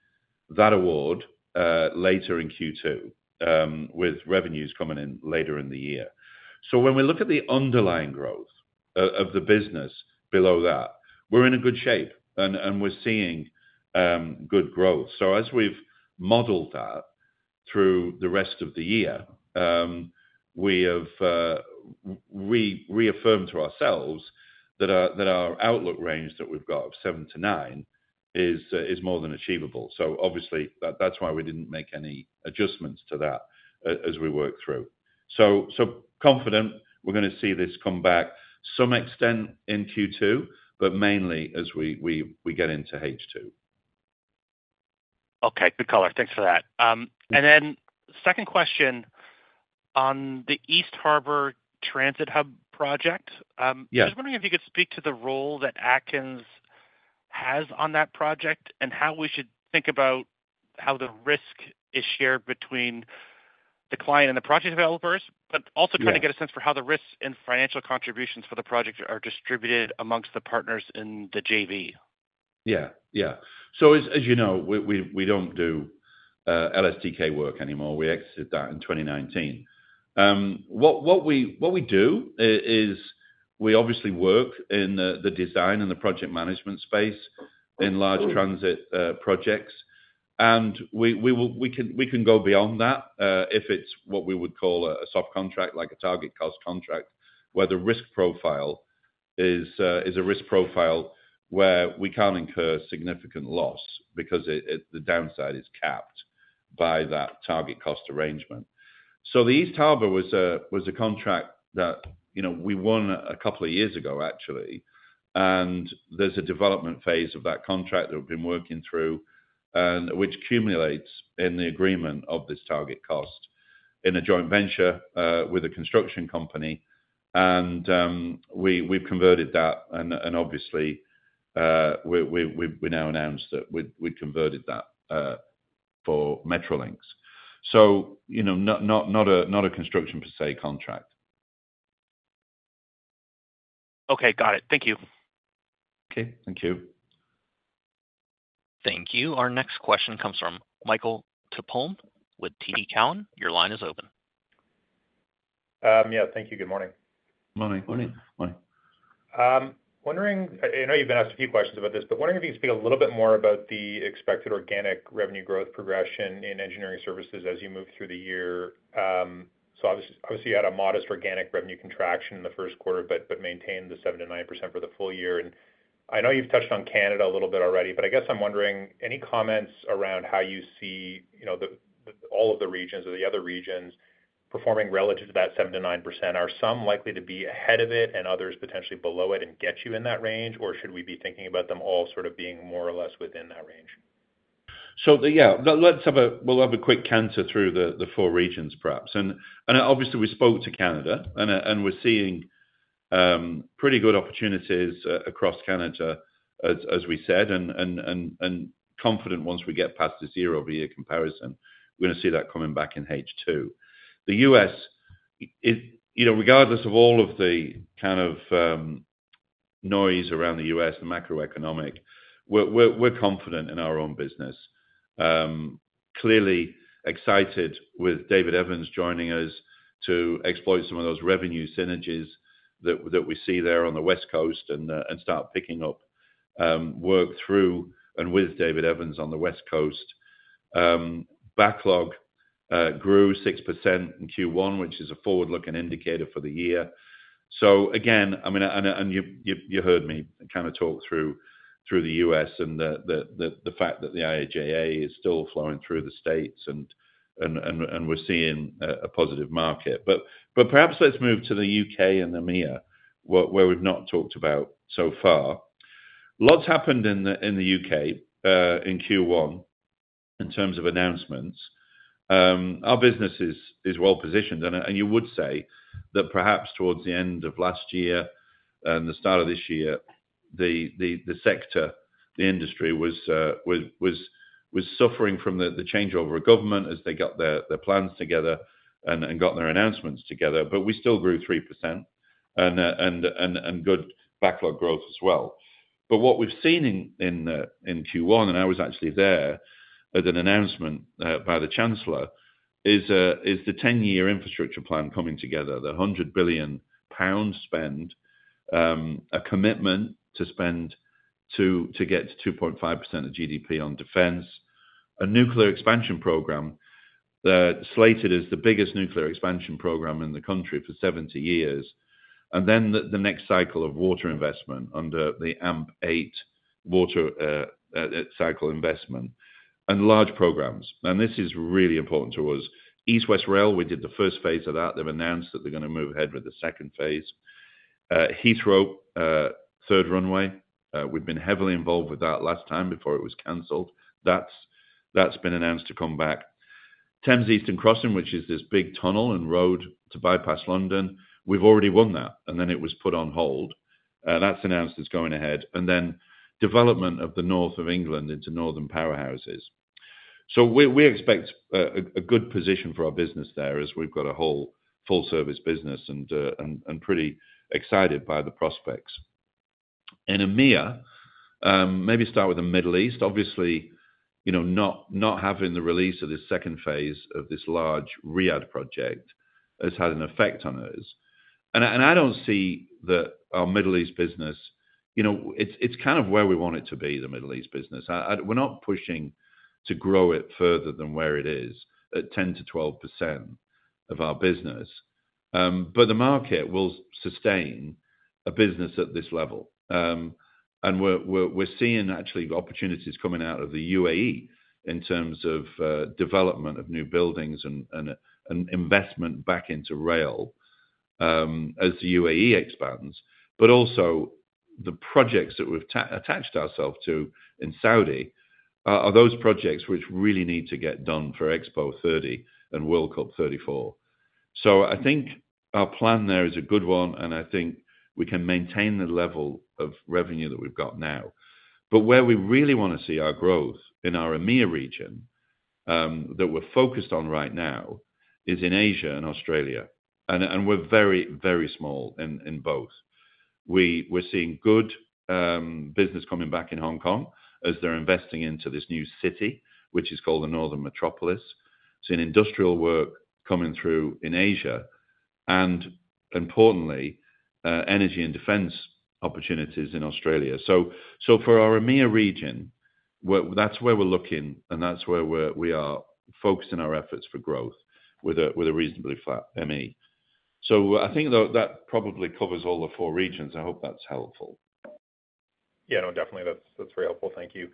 that award later in Q2 with revenues coming in later in the year. When we look at the underlying growth of the business below that, we're in good shape, and we're seeing good growth. As we've modeled that through the rest of the year, we have reaffirmed to ourselves that our outlook range that we've got of 7-9 is more than achievable. Obviously, that's why we didn't make any adjustments to that as we work through. Confident we're going to see this come back to some extent in Q2, but mainly as we get into H2. Okay, good color. Thanks for that. Then second question on the East Harbour Transit Hub project. I was wondering if you could speak to the role that Atkins has on that project and how we should think about how the risk is shared between the client and the project developers, but also trying to get a sense for how the risks and financial contributions for the project are distributed amongst the partners in the JV. Yeah, yeah. As you know, we do not do LSTK work anymore. We exited that in 2019. What we do is we obviously work in the design and the project management space in large transit projects. We can go beyond that if it is what we would call a soft contract, like a target cost contract, where the risk profile is a risk profile where we cannot incur significant loss because the downside is capped by that target cost arrangement. The East Harbour was a contract that we won a couple of years ago, actually. There is a development phase of that contract that we have been working through, which cumulates in the agreement of this target cost in a joint venture with a construction company. We have converted that. Obviously, we now announced that we converted that for Metrolinx. Not a construction per se contract. Okay, got it. Thank you. Okay, thank you. Thank you. Our next question comes from Michael Tupholme with TD Cowen. Your line is open. Yeah, thank you. Good morning. Morning. Morning. Morning. I know you have been asked a few questions about this, but wondering if you can speak a little bit more about the expected organic revenue growth progression in engineering services as you move through the year. Obviously, you had a modest organic revenue contraction in the first quarter, but maintained the 7%-9% for the full year. I know you've touched on Canada a little bit already, but I guess I'm wondering, any comments around how you see all of the regions or the other regions performing relative to that 7%-9%? Are some likely to be ahead of it and others potentially below it and get you in that range? Or should we be thinking about them all sort of being more or less within that range? Yeah, we'll have a quick counter through the four regions, perhaps. Obviously, we spoke to Canada, and we're seeing pretty good opportunities across Canada, as we said, and confident once we get past the zero-year comparison. We're going to see that coming back in H2. The U.S., regardless of all of the kind of noise around the U.S., the macroeconomic, we're confident in our own business. Clearly excited with David Evans joining us to exploit some of those revenue synergies that we see there on the West Coast and start picking up work through and with David Evans on the West Coast. Backlog grew 6% in Q1, which is a forward-looking indicator for the year. Again, I mean, and you heard me kind of talk through the U.S. and the fact that the IIJA is still flowing through the states, and we're seeing a positive market. Perhaps let's move to the U.K. and EMEA, where we've not talked about so far. Lots happened in the U.K. in Q1 in terms of announcements. Our business is well positioned. You would say that perhaps towards the end of last year and the start of this year, the sector, the industry was suffering from the changeover of government as they got their plans together and got their announcements together. We still grew 3% and good backlog growth as well. What we've seen in Q1, and I was actually there at an announcement by the Chancellor, is the 10-year infrastructure plan coming together, the 100 billion pound spend, a commitment to spend to get to 2.5% of GDP on defense, a nuclear expansion program slated as the biggest nuclear expansion program in the country for 70 years, and the next cycle of water investment under the AMP8 water cycle investment, and large programs. This is really important to us. East West Rail, we did the first phase of that. They've announced that they're going to move ahead with the second phase. Heathrow, third runway. We've been heavily involved with that last time before it was canceled. That's been announced to come back. Thames Eastern Crossing, which is this big tunnel and road to bypass London. We've already won that, and then it was put on hold. That's announced it's going ahead. Then development of the north of England into northern powerhouses. We expect a good position for our business there as we've got a whole full-service business and pretty excited by the prospects. In EMEA, maybe start with the Middle East. Obviously, not having the release of this second phase of this large Riyadh project has had an effect on us. I don't see that our Middle East business, it's kind of where we want it to be, the Middle East business. We're not pushing to grow it further than where it is, at 10%-12% of our business. The market will sustain a business at this level. We're seeing actually opportunities coming out of the UAE in terms of development of new buildings and investment back into rail as the UAE expands. The projects that we've attached ourselves to in Saudi are those projects which really need to get done for Expo 2030 and World Cup 2034. I think our plan there is a good one, and I think we can maintain the level of revenue that we've got now. Where we really want to see our growth in our EMEA region that we're focused on right now is in Asia and Australia. We're very, very small in both. We're seeing good business coming back in Hong Kong as they're investing into this new city, which is called the Northern Metropolis. It's an industrial work coming through in Asia. Importantly, energy and defense opportunities in Australia. For our EMEA region, that's where we're looking, and that's where we are focusing our efforts for growth with a reasonably flat ME. I think that probably covers all the four regions. I hope that's helpful. Yeah, no, definitely. That's very helpful. Thank you.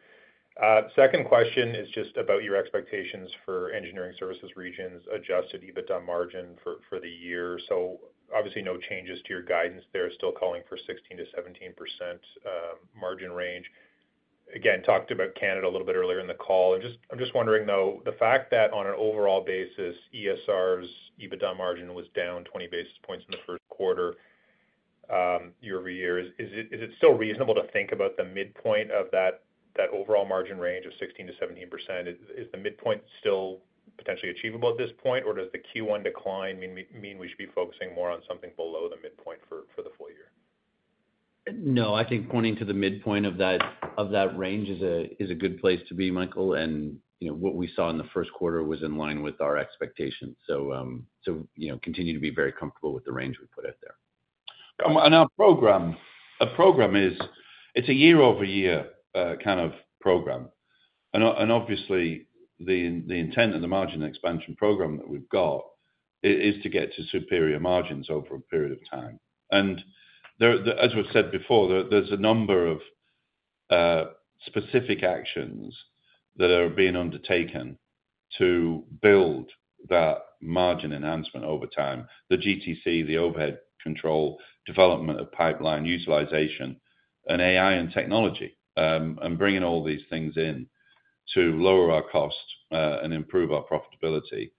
Second question is just about your expectations for engineering services regions, adjusted EBITDA margin for the year. Obviously, no changes to your guidance there. Still calling for 16%-17% margin range. Again, talked about Canada a little bit earlier in the call. I'm just wondering, though, the fact that on an overall basis, ESR's EBITDA margin was down 20 basis points in the first quarter year over year. Is it still reasonable to think about the midpoint of that overall margin range of 16-17%? Is the midpoint still potentially achievable at this point, or does the Q1 decline mean we should be focusing more on something below the midpoint for the full year? I think pointing to the midpoint of that range is a good place to be, Michael. What we saw in the first quarter was in line with our expectations. Continue to be very comfortable with the range we put out there. Our program, it's a year-over-year kind of program. Obviously, the intent of the margin expansion program that we have is to get to superior margins over a period of time. As we have said before, there are a number of specific actions that are being undertaken to build that margin enhancement over time: the GTC, the overhead control, development of pipeline utilization, and AI and technology. Bringing all these things in to lower our cost and improve our profitability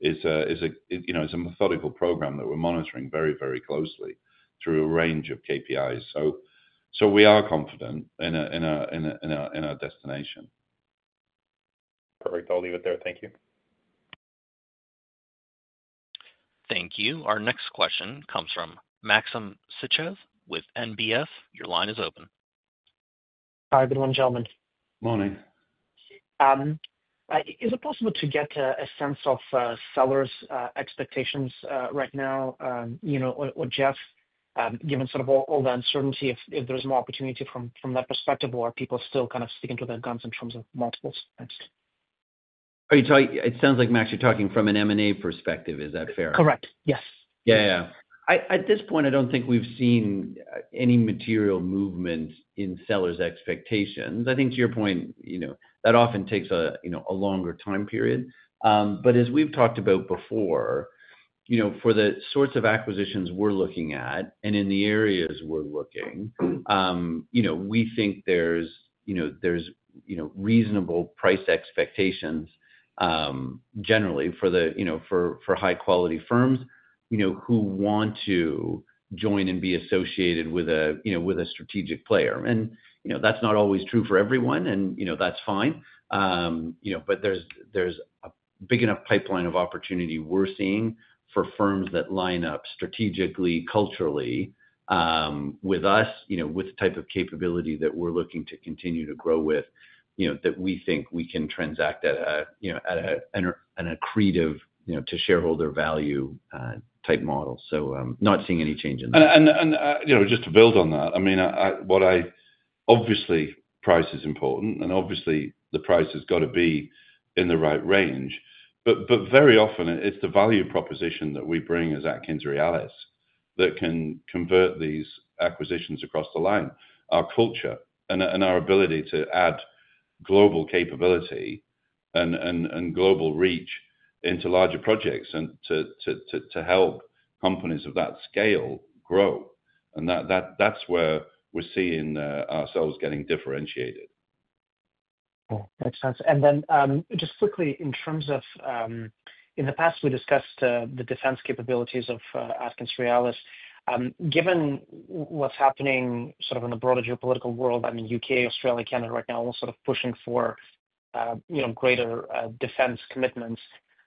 is a methodical program that we are monitoring very, very closely through a range of KPIs. We are confident in our destination. Perfect. I will leave it there. Thank you. Thank you. Our next question comes from Maxim Sytchev with National Bank Financial. Your line is open. Hi, everyone, gentlemen. Morning. Is it possible to get a sense of sellers' expectations right now, Jeff, given sort of all the uncertainty if there's more opportunity from that perspective, or are people still kind of sticking to their guns in terms of multiples? It sounds like, Max, you're talking from an M&A perspective. Is that fair? Correct. Yes. At this point, I don't think we've seen any material movement in sellers' expectations. I think to your point, that often takes a longer time period. As we've talked about before, for the sorts of acquisitions we're looking at and in the areas we're looking, we think there's reasonable price expectations generally for high-quality firms who want to join and be associated with a strategic player. That's not always true for everyone, and that's fine. There is a big enough pipeline of opportunity we are seeing for firms that line up strategically, culturally with us, with the type of capability that we are looking to continue to grow with, that we think we can transact at an accretive-to-shareholder value type model. Not seeing any change in that. Just to build on that, I mean, obviously, price is important. Obviously, the price has got to be in the right range. Very often, it is the value proposition that we bring as AtkinsRéalis that can convert these acquisitions across the line. Our culture and our ability to add global capability and global reach into larger projects and to help companies of that scale grow. That is where we are seeing ourselves getting differentiated. Makes sense. Then just quickly, in terms of in the past, we discussed the defense capabilities of AtkinsRéalis. Given what's happening sort of in the broader geopolitical world, I mean, U.K., Australia, Canada right now, all sort of pushing for greater defense commitments.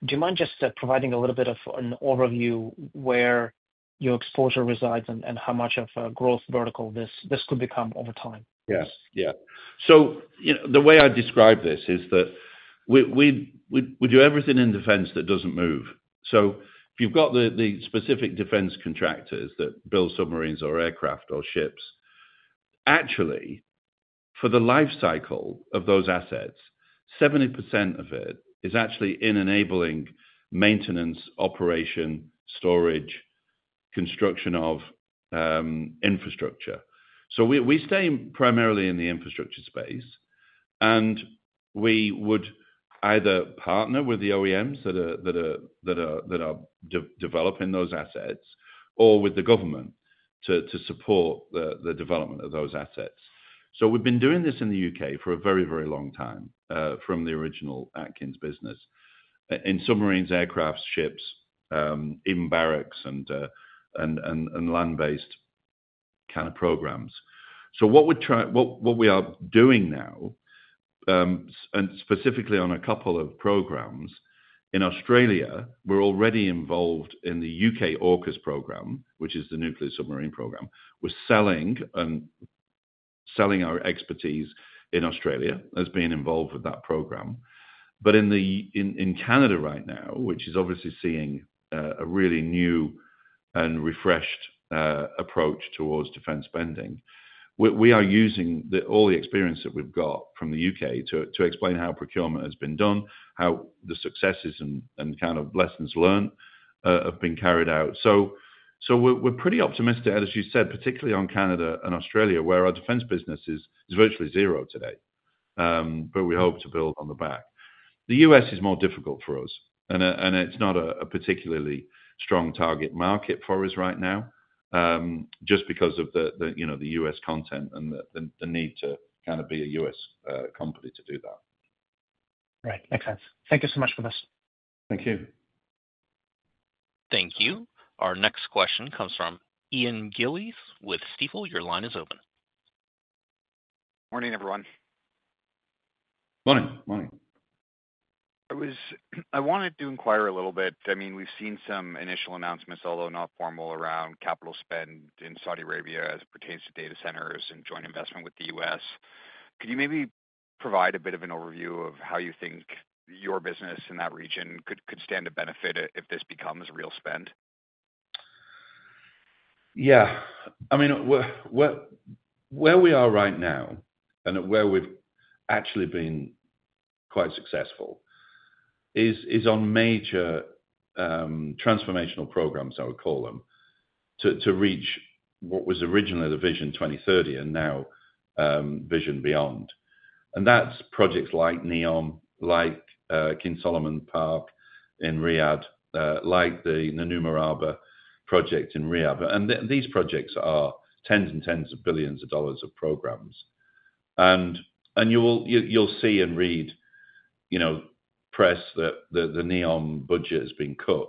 Do you mind just providing a little bit of an overview where your exposure resides and how much of a growth vertical this could become over time? Yes. Yeah. The way I describe this is that we do everything in defense that does not move. If you have the specific defense contractors that build submarines or aircraft or ships, actually, for the lifecycle of those assets, 70% of it is actually in enabling maintenance, operation, storage, construction of infrastructure. We stay primarily in the infrastructure space. We would either partner with the OEMs that are developing those assets or with the government to support the development of those assets. We have been doing this in the U.K. for a very, very long time from the original Atkins business in submarines, aircraft, ships, even barracks and land-based kind of programs. What we are doing now, and specifically on a couple of programs in Australia, we are already involved in the U.K. AUKUS program, which is the nuclear submarine program. We are selling our expertise in Australia as being involved with that program. In Canada right now, which is obviously seeing a really new and refreshed approach towards defense spending, we are using all the experience that we have got from the U.K. to explain how procurement has been done, how the successes and kind of lessons learned have been carried out. We are pretty optimistic, as you said, particularly on Canada and Australia, where our defense business is virtually zero today. We hope to build on the back. The U.S. is more difficult for us. And it's not a particularly strong target market for us right now, just because of the U.S. content and the need to kind of be a U.S. company to do that. Right. Makes sense. Thank you so much for this. Thank you. Thank you. Our next question comes from Ian Gillies with Stifel. Your line is open. Morning, everyone. Morning. Morning. I wanted to inquire a little bit. I mean, we've seen some initial announcements, although not formal, around capital spend in Saudi Arabia as it pertains to data centers and joint investment with the U.S. Could you maybe provide a bit of an overview of how you think your business in that region could stand to benefit if this becomes real spend? Yeah. I mean, where we are right now and where we've actually been quite successful is on major transformational programs, I would call them, to reach what was originally the Vision 2030 and now Vision Beyond. That's projects like NEOM, like King Salman Park in Riyadh, like the Nama Alaraba project in Riyadh. These projects are tens and tens of billions of dollars of programs. You'll see and read press that the NEOM budget has been cut.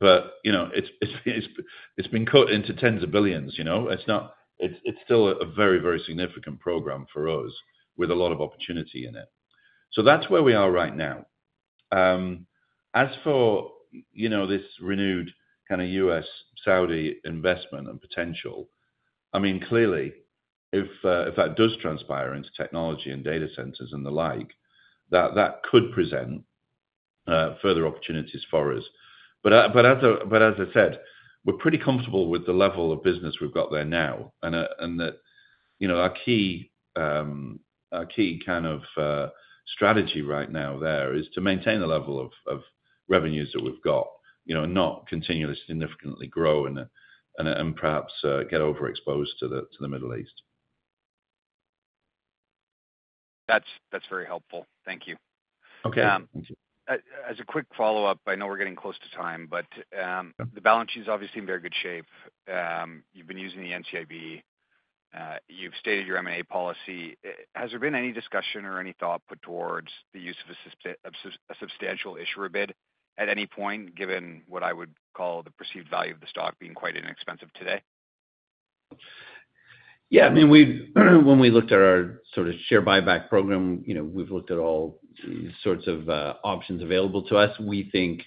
It's been cut into tens of billions. It's still a very, very significant program for us with a lot of opportunity in it. That's where we are right now. As for this renewed kind of U.S.-Saudi investment and potential, I mean, clearly, if that does transpire into technology and data centers and the like, that could present further opportunities for us. As I said, we're pretty comfortable with the level of business we've got there now. Our key kind of strategy right now there is to maintain the level of revenues that we've got and not continuously significantly grow and perhaps get overexposed to the Middle East. That's very helpful. Thank you. Okay. Thank you. As a quick follow-up, I know we're getting close to time, but the balance sheet has obviously been in very good shape. You've been using the NCIB. You've stated your M&A policy. Has there been any discussion or any thought put towards the use of a substantial issuer bid at any point, given what I would call the perceived value of the stock being quite inexpensive today? Yeah. I mean, when we looked at our sort of share buyback program, we've looked at all sorts of options available to us. We think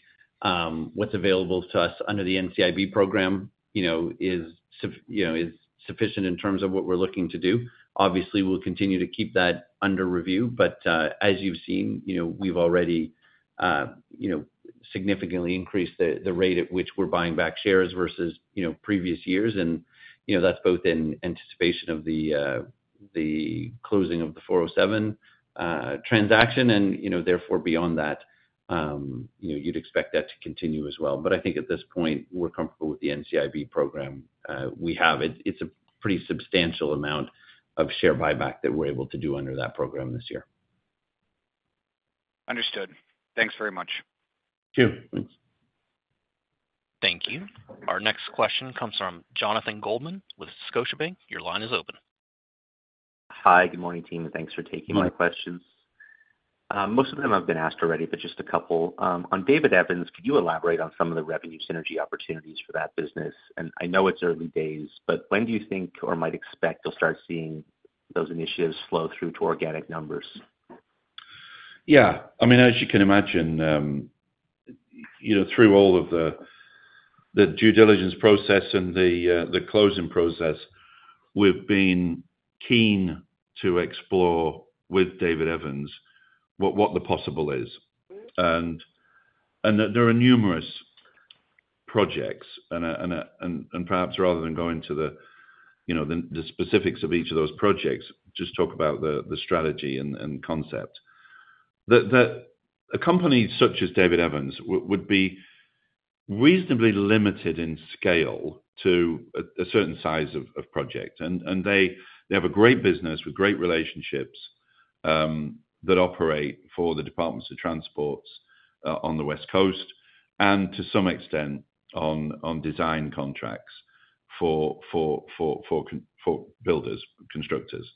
what's available to us under the NCIB program is sufficient in terms of what we're looking to do. Obviously, we'll continue to keep that under review. As you've seen, we've already significantly increased the rate at which we're buying back shares versus previous years. That's both in anticipation of the closing of the 407 transaction and therefore beyond that, you'd expect that to continue as well. I think at this point, we're comfortable with the NCIB program. We have a pretty substantial amount of share buyback that we're able to do under that program this year. Understood. Thanks very much. You too. Thanks. Thank you. Our next question comes from Jonathan Goldman with Scotiabank. Your line is open. Hi. Good morning, team. Thanks for taking my questions. Most of them have been asked already, but just a couple. On David Evans, could you elaborate on some of the revenue synergy opportunities for that business? I know it's early days, but when do you think or might expect you'll start seeing those initiatives flow through to organic numbers? Yeah. I mean, as you can imagine, through all of the due diligence process and the closing process, we've been keen to explore with David Evans what the possible is. There are numerous projects. Perhaps rather than going to the specifics of each of those projects, just talk about the strategy and concept. A company such as David Evans would be reasonably limited in scale to a certain size of project. They have a great business with great relationships that operate for the Departments of Transport on the West Coast and to some extent on design contracts for builders, constructors.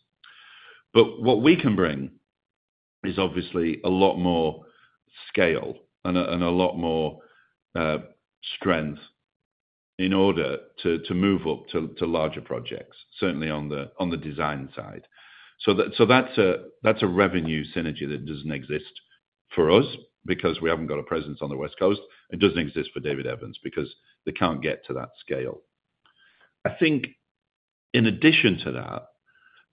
What we can bring is obviously a lot more scale and a lot more strength in order to move up to larger projects, certainly on the design side. That is a revenue synergy that does not exist for us because we have not got a presence on the West Coast. It does not exist for David Evans because they cannot get to that scale. I think in addition to that,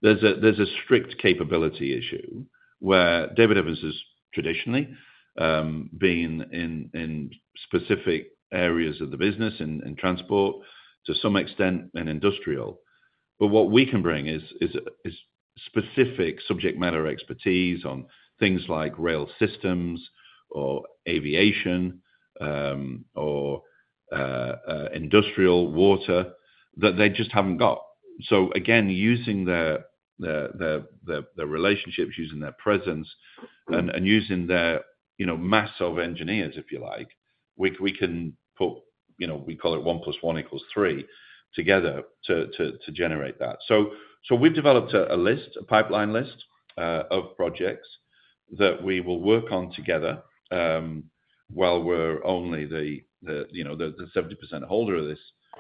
there is a strict capability issue where David Evans has traditionally been in specific areas of the business in transport, to some extent in industrial. What we can bring is specific subject matter expertise on things like rail systems or aviation or industrial water that they just have not got. Again, using their relationships, using their presence, and using their mass of engineers, if you like, we can put, we call it 1 plus 1 equals 3 together to generate that. We have developed a list, a pipeline list of projects that we will work on together while we are only the 70% holder of this.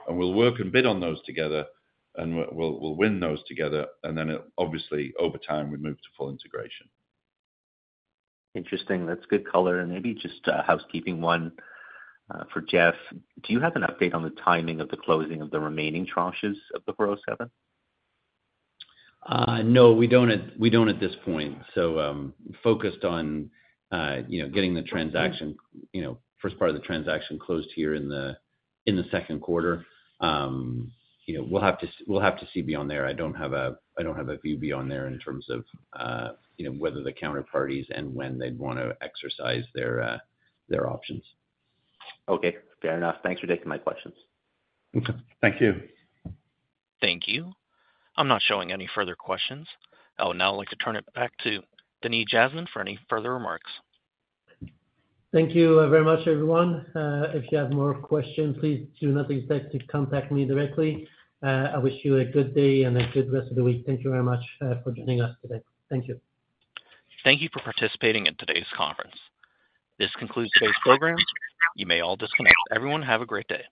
We will work and bid on those together, and we will win those together. Obviously, over time, we move to full integration. Interesting. That is good color. Maybe just a housekeeping one for Jeff. Do you have an update on the timing of the closing of the remaining tranches of the 407? No, we do not at this point. Focused on getting the transaction, first part of the transaction closed here in the second quarter. We will have to see beyond there. I do not have a view beyond there in terms of whether the counterparties and when they would want to exercise their options. Okay. Fair enough. Thanks for taking my questions. Thank you. Thank you. I am not showing any further questions. I would now like to turn it back to Denis Jasmin for any further remarks. Thank you very much, everyone. If you have more questions, please do not hesitate to contact me directly. I wish you a good day and a good rest of the week. Thank you very much for joining us today. Thank you. Thank you for participating in today's conference. This concludes today's program. You may all disconnect. Everyone, have a great day.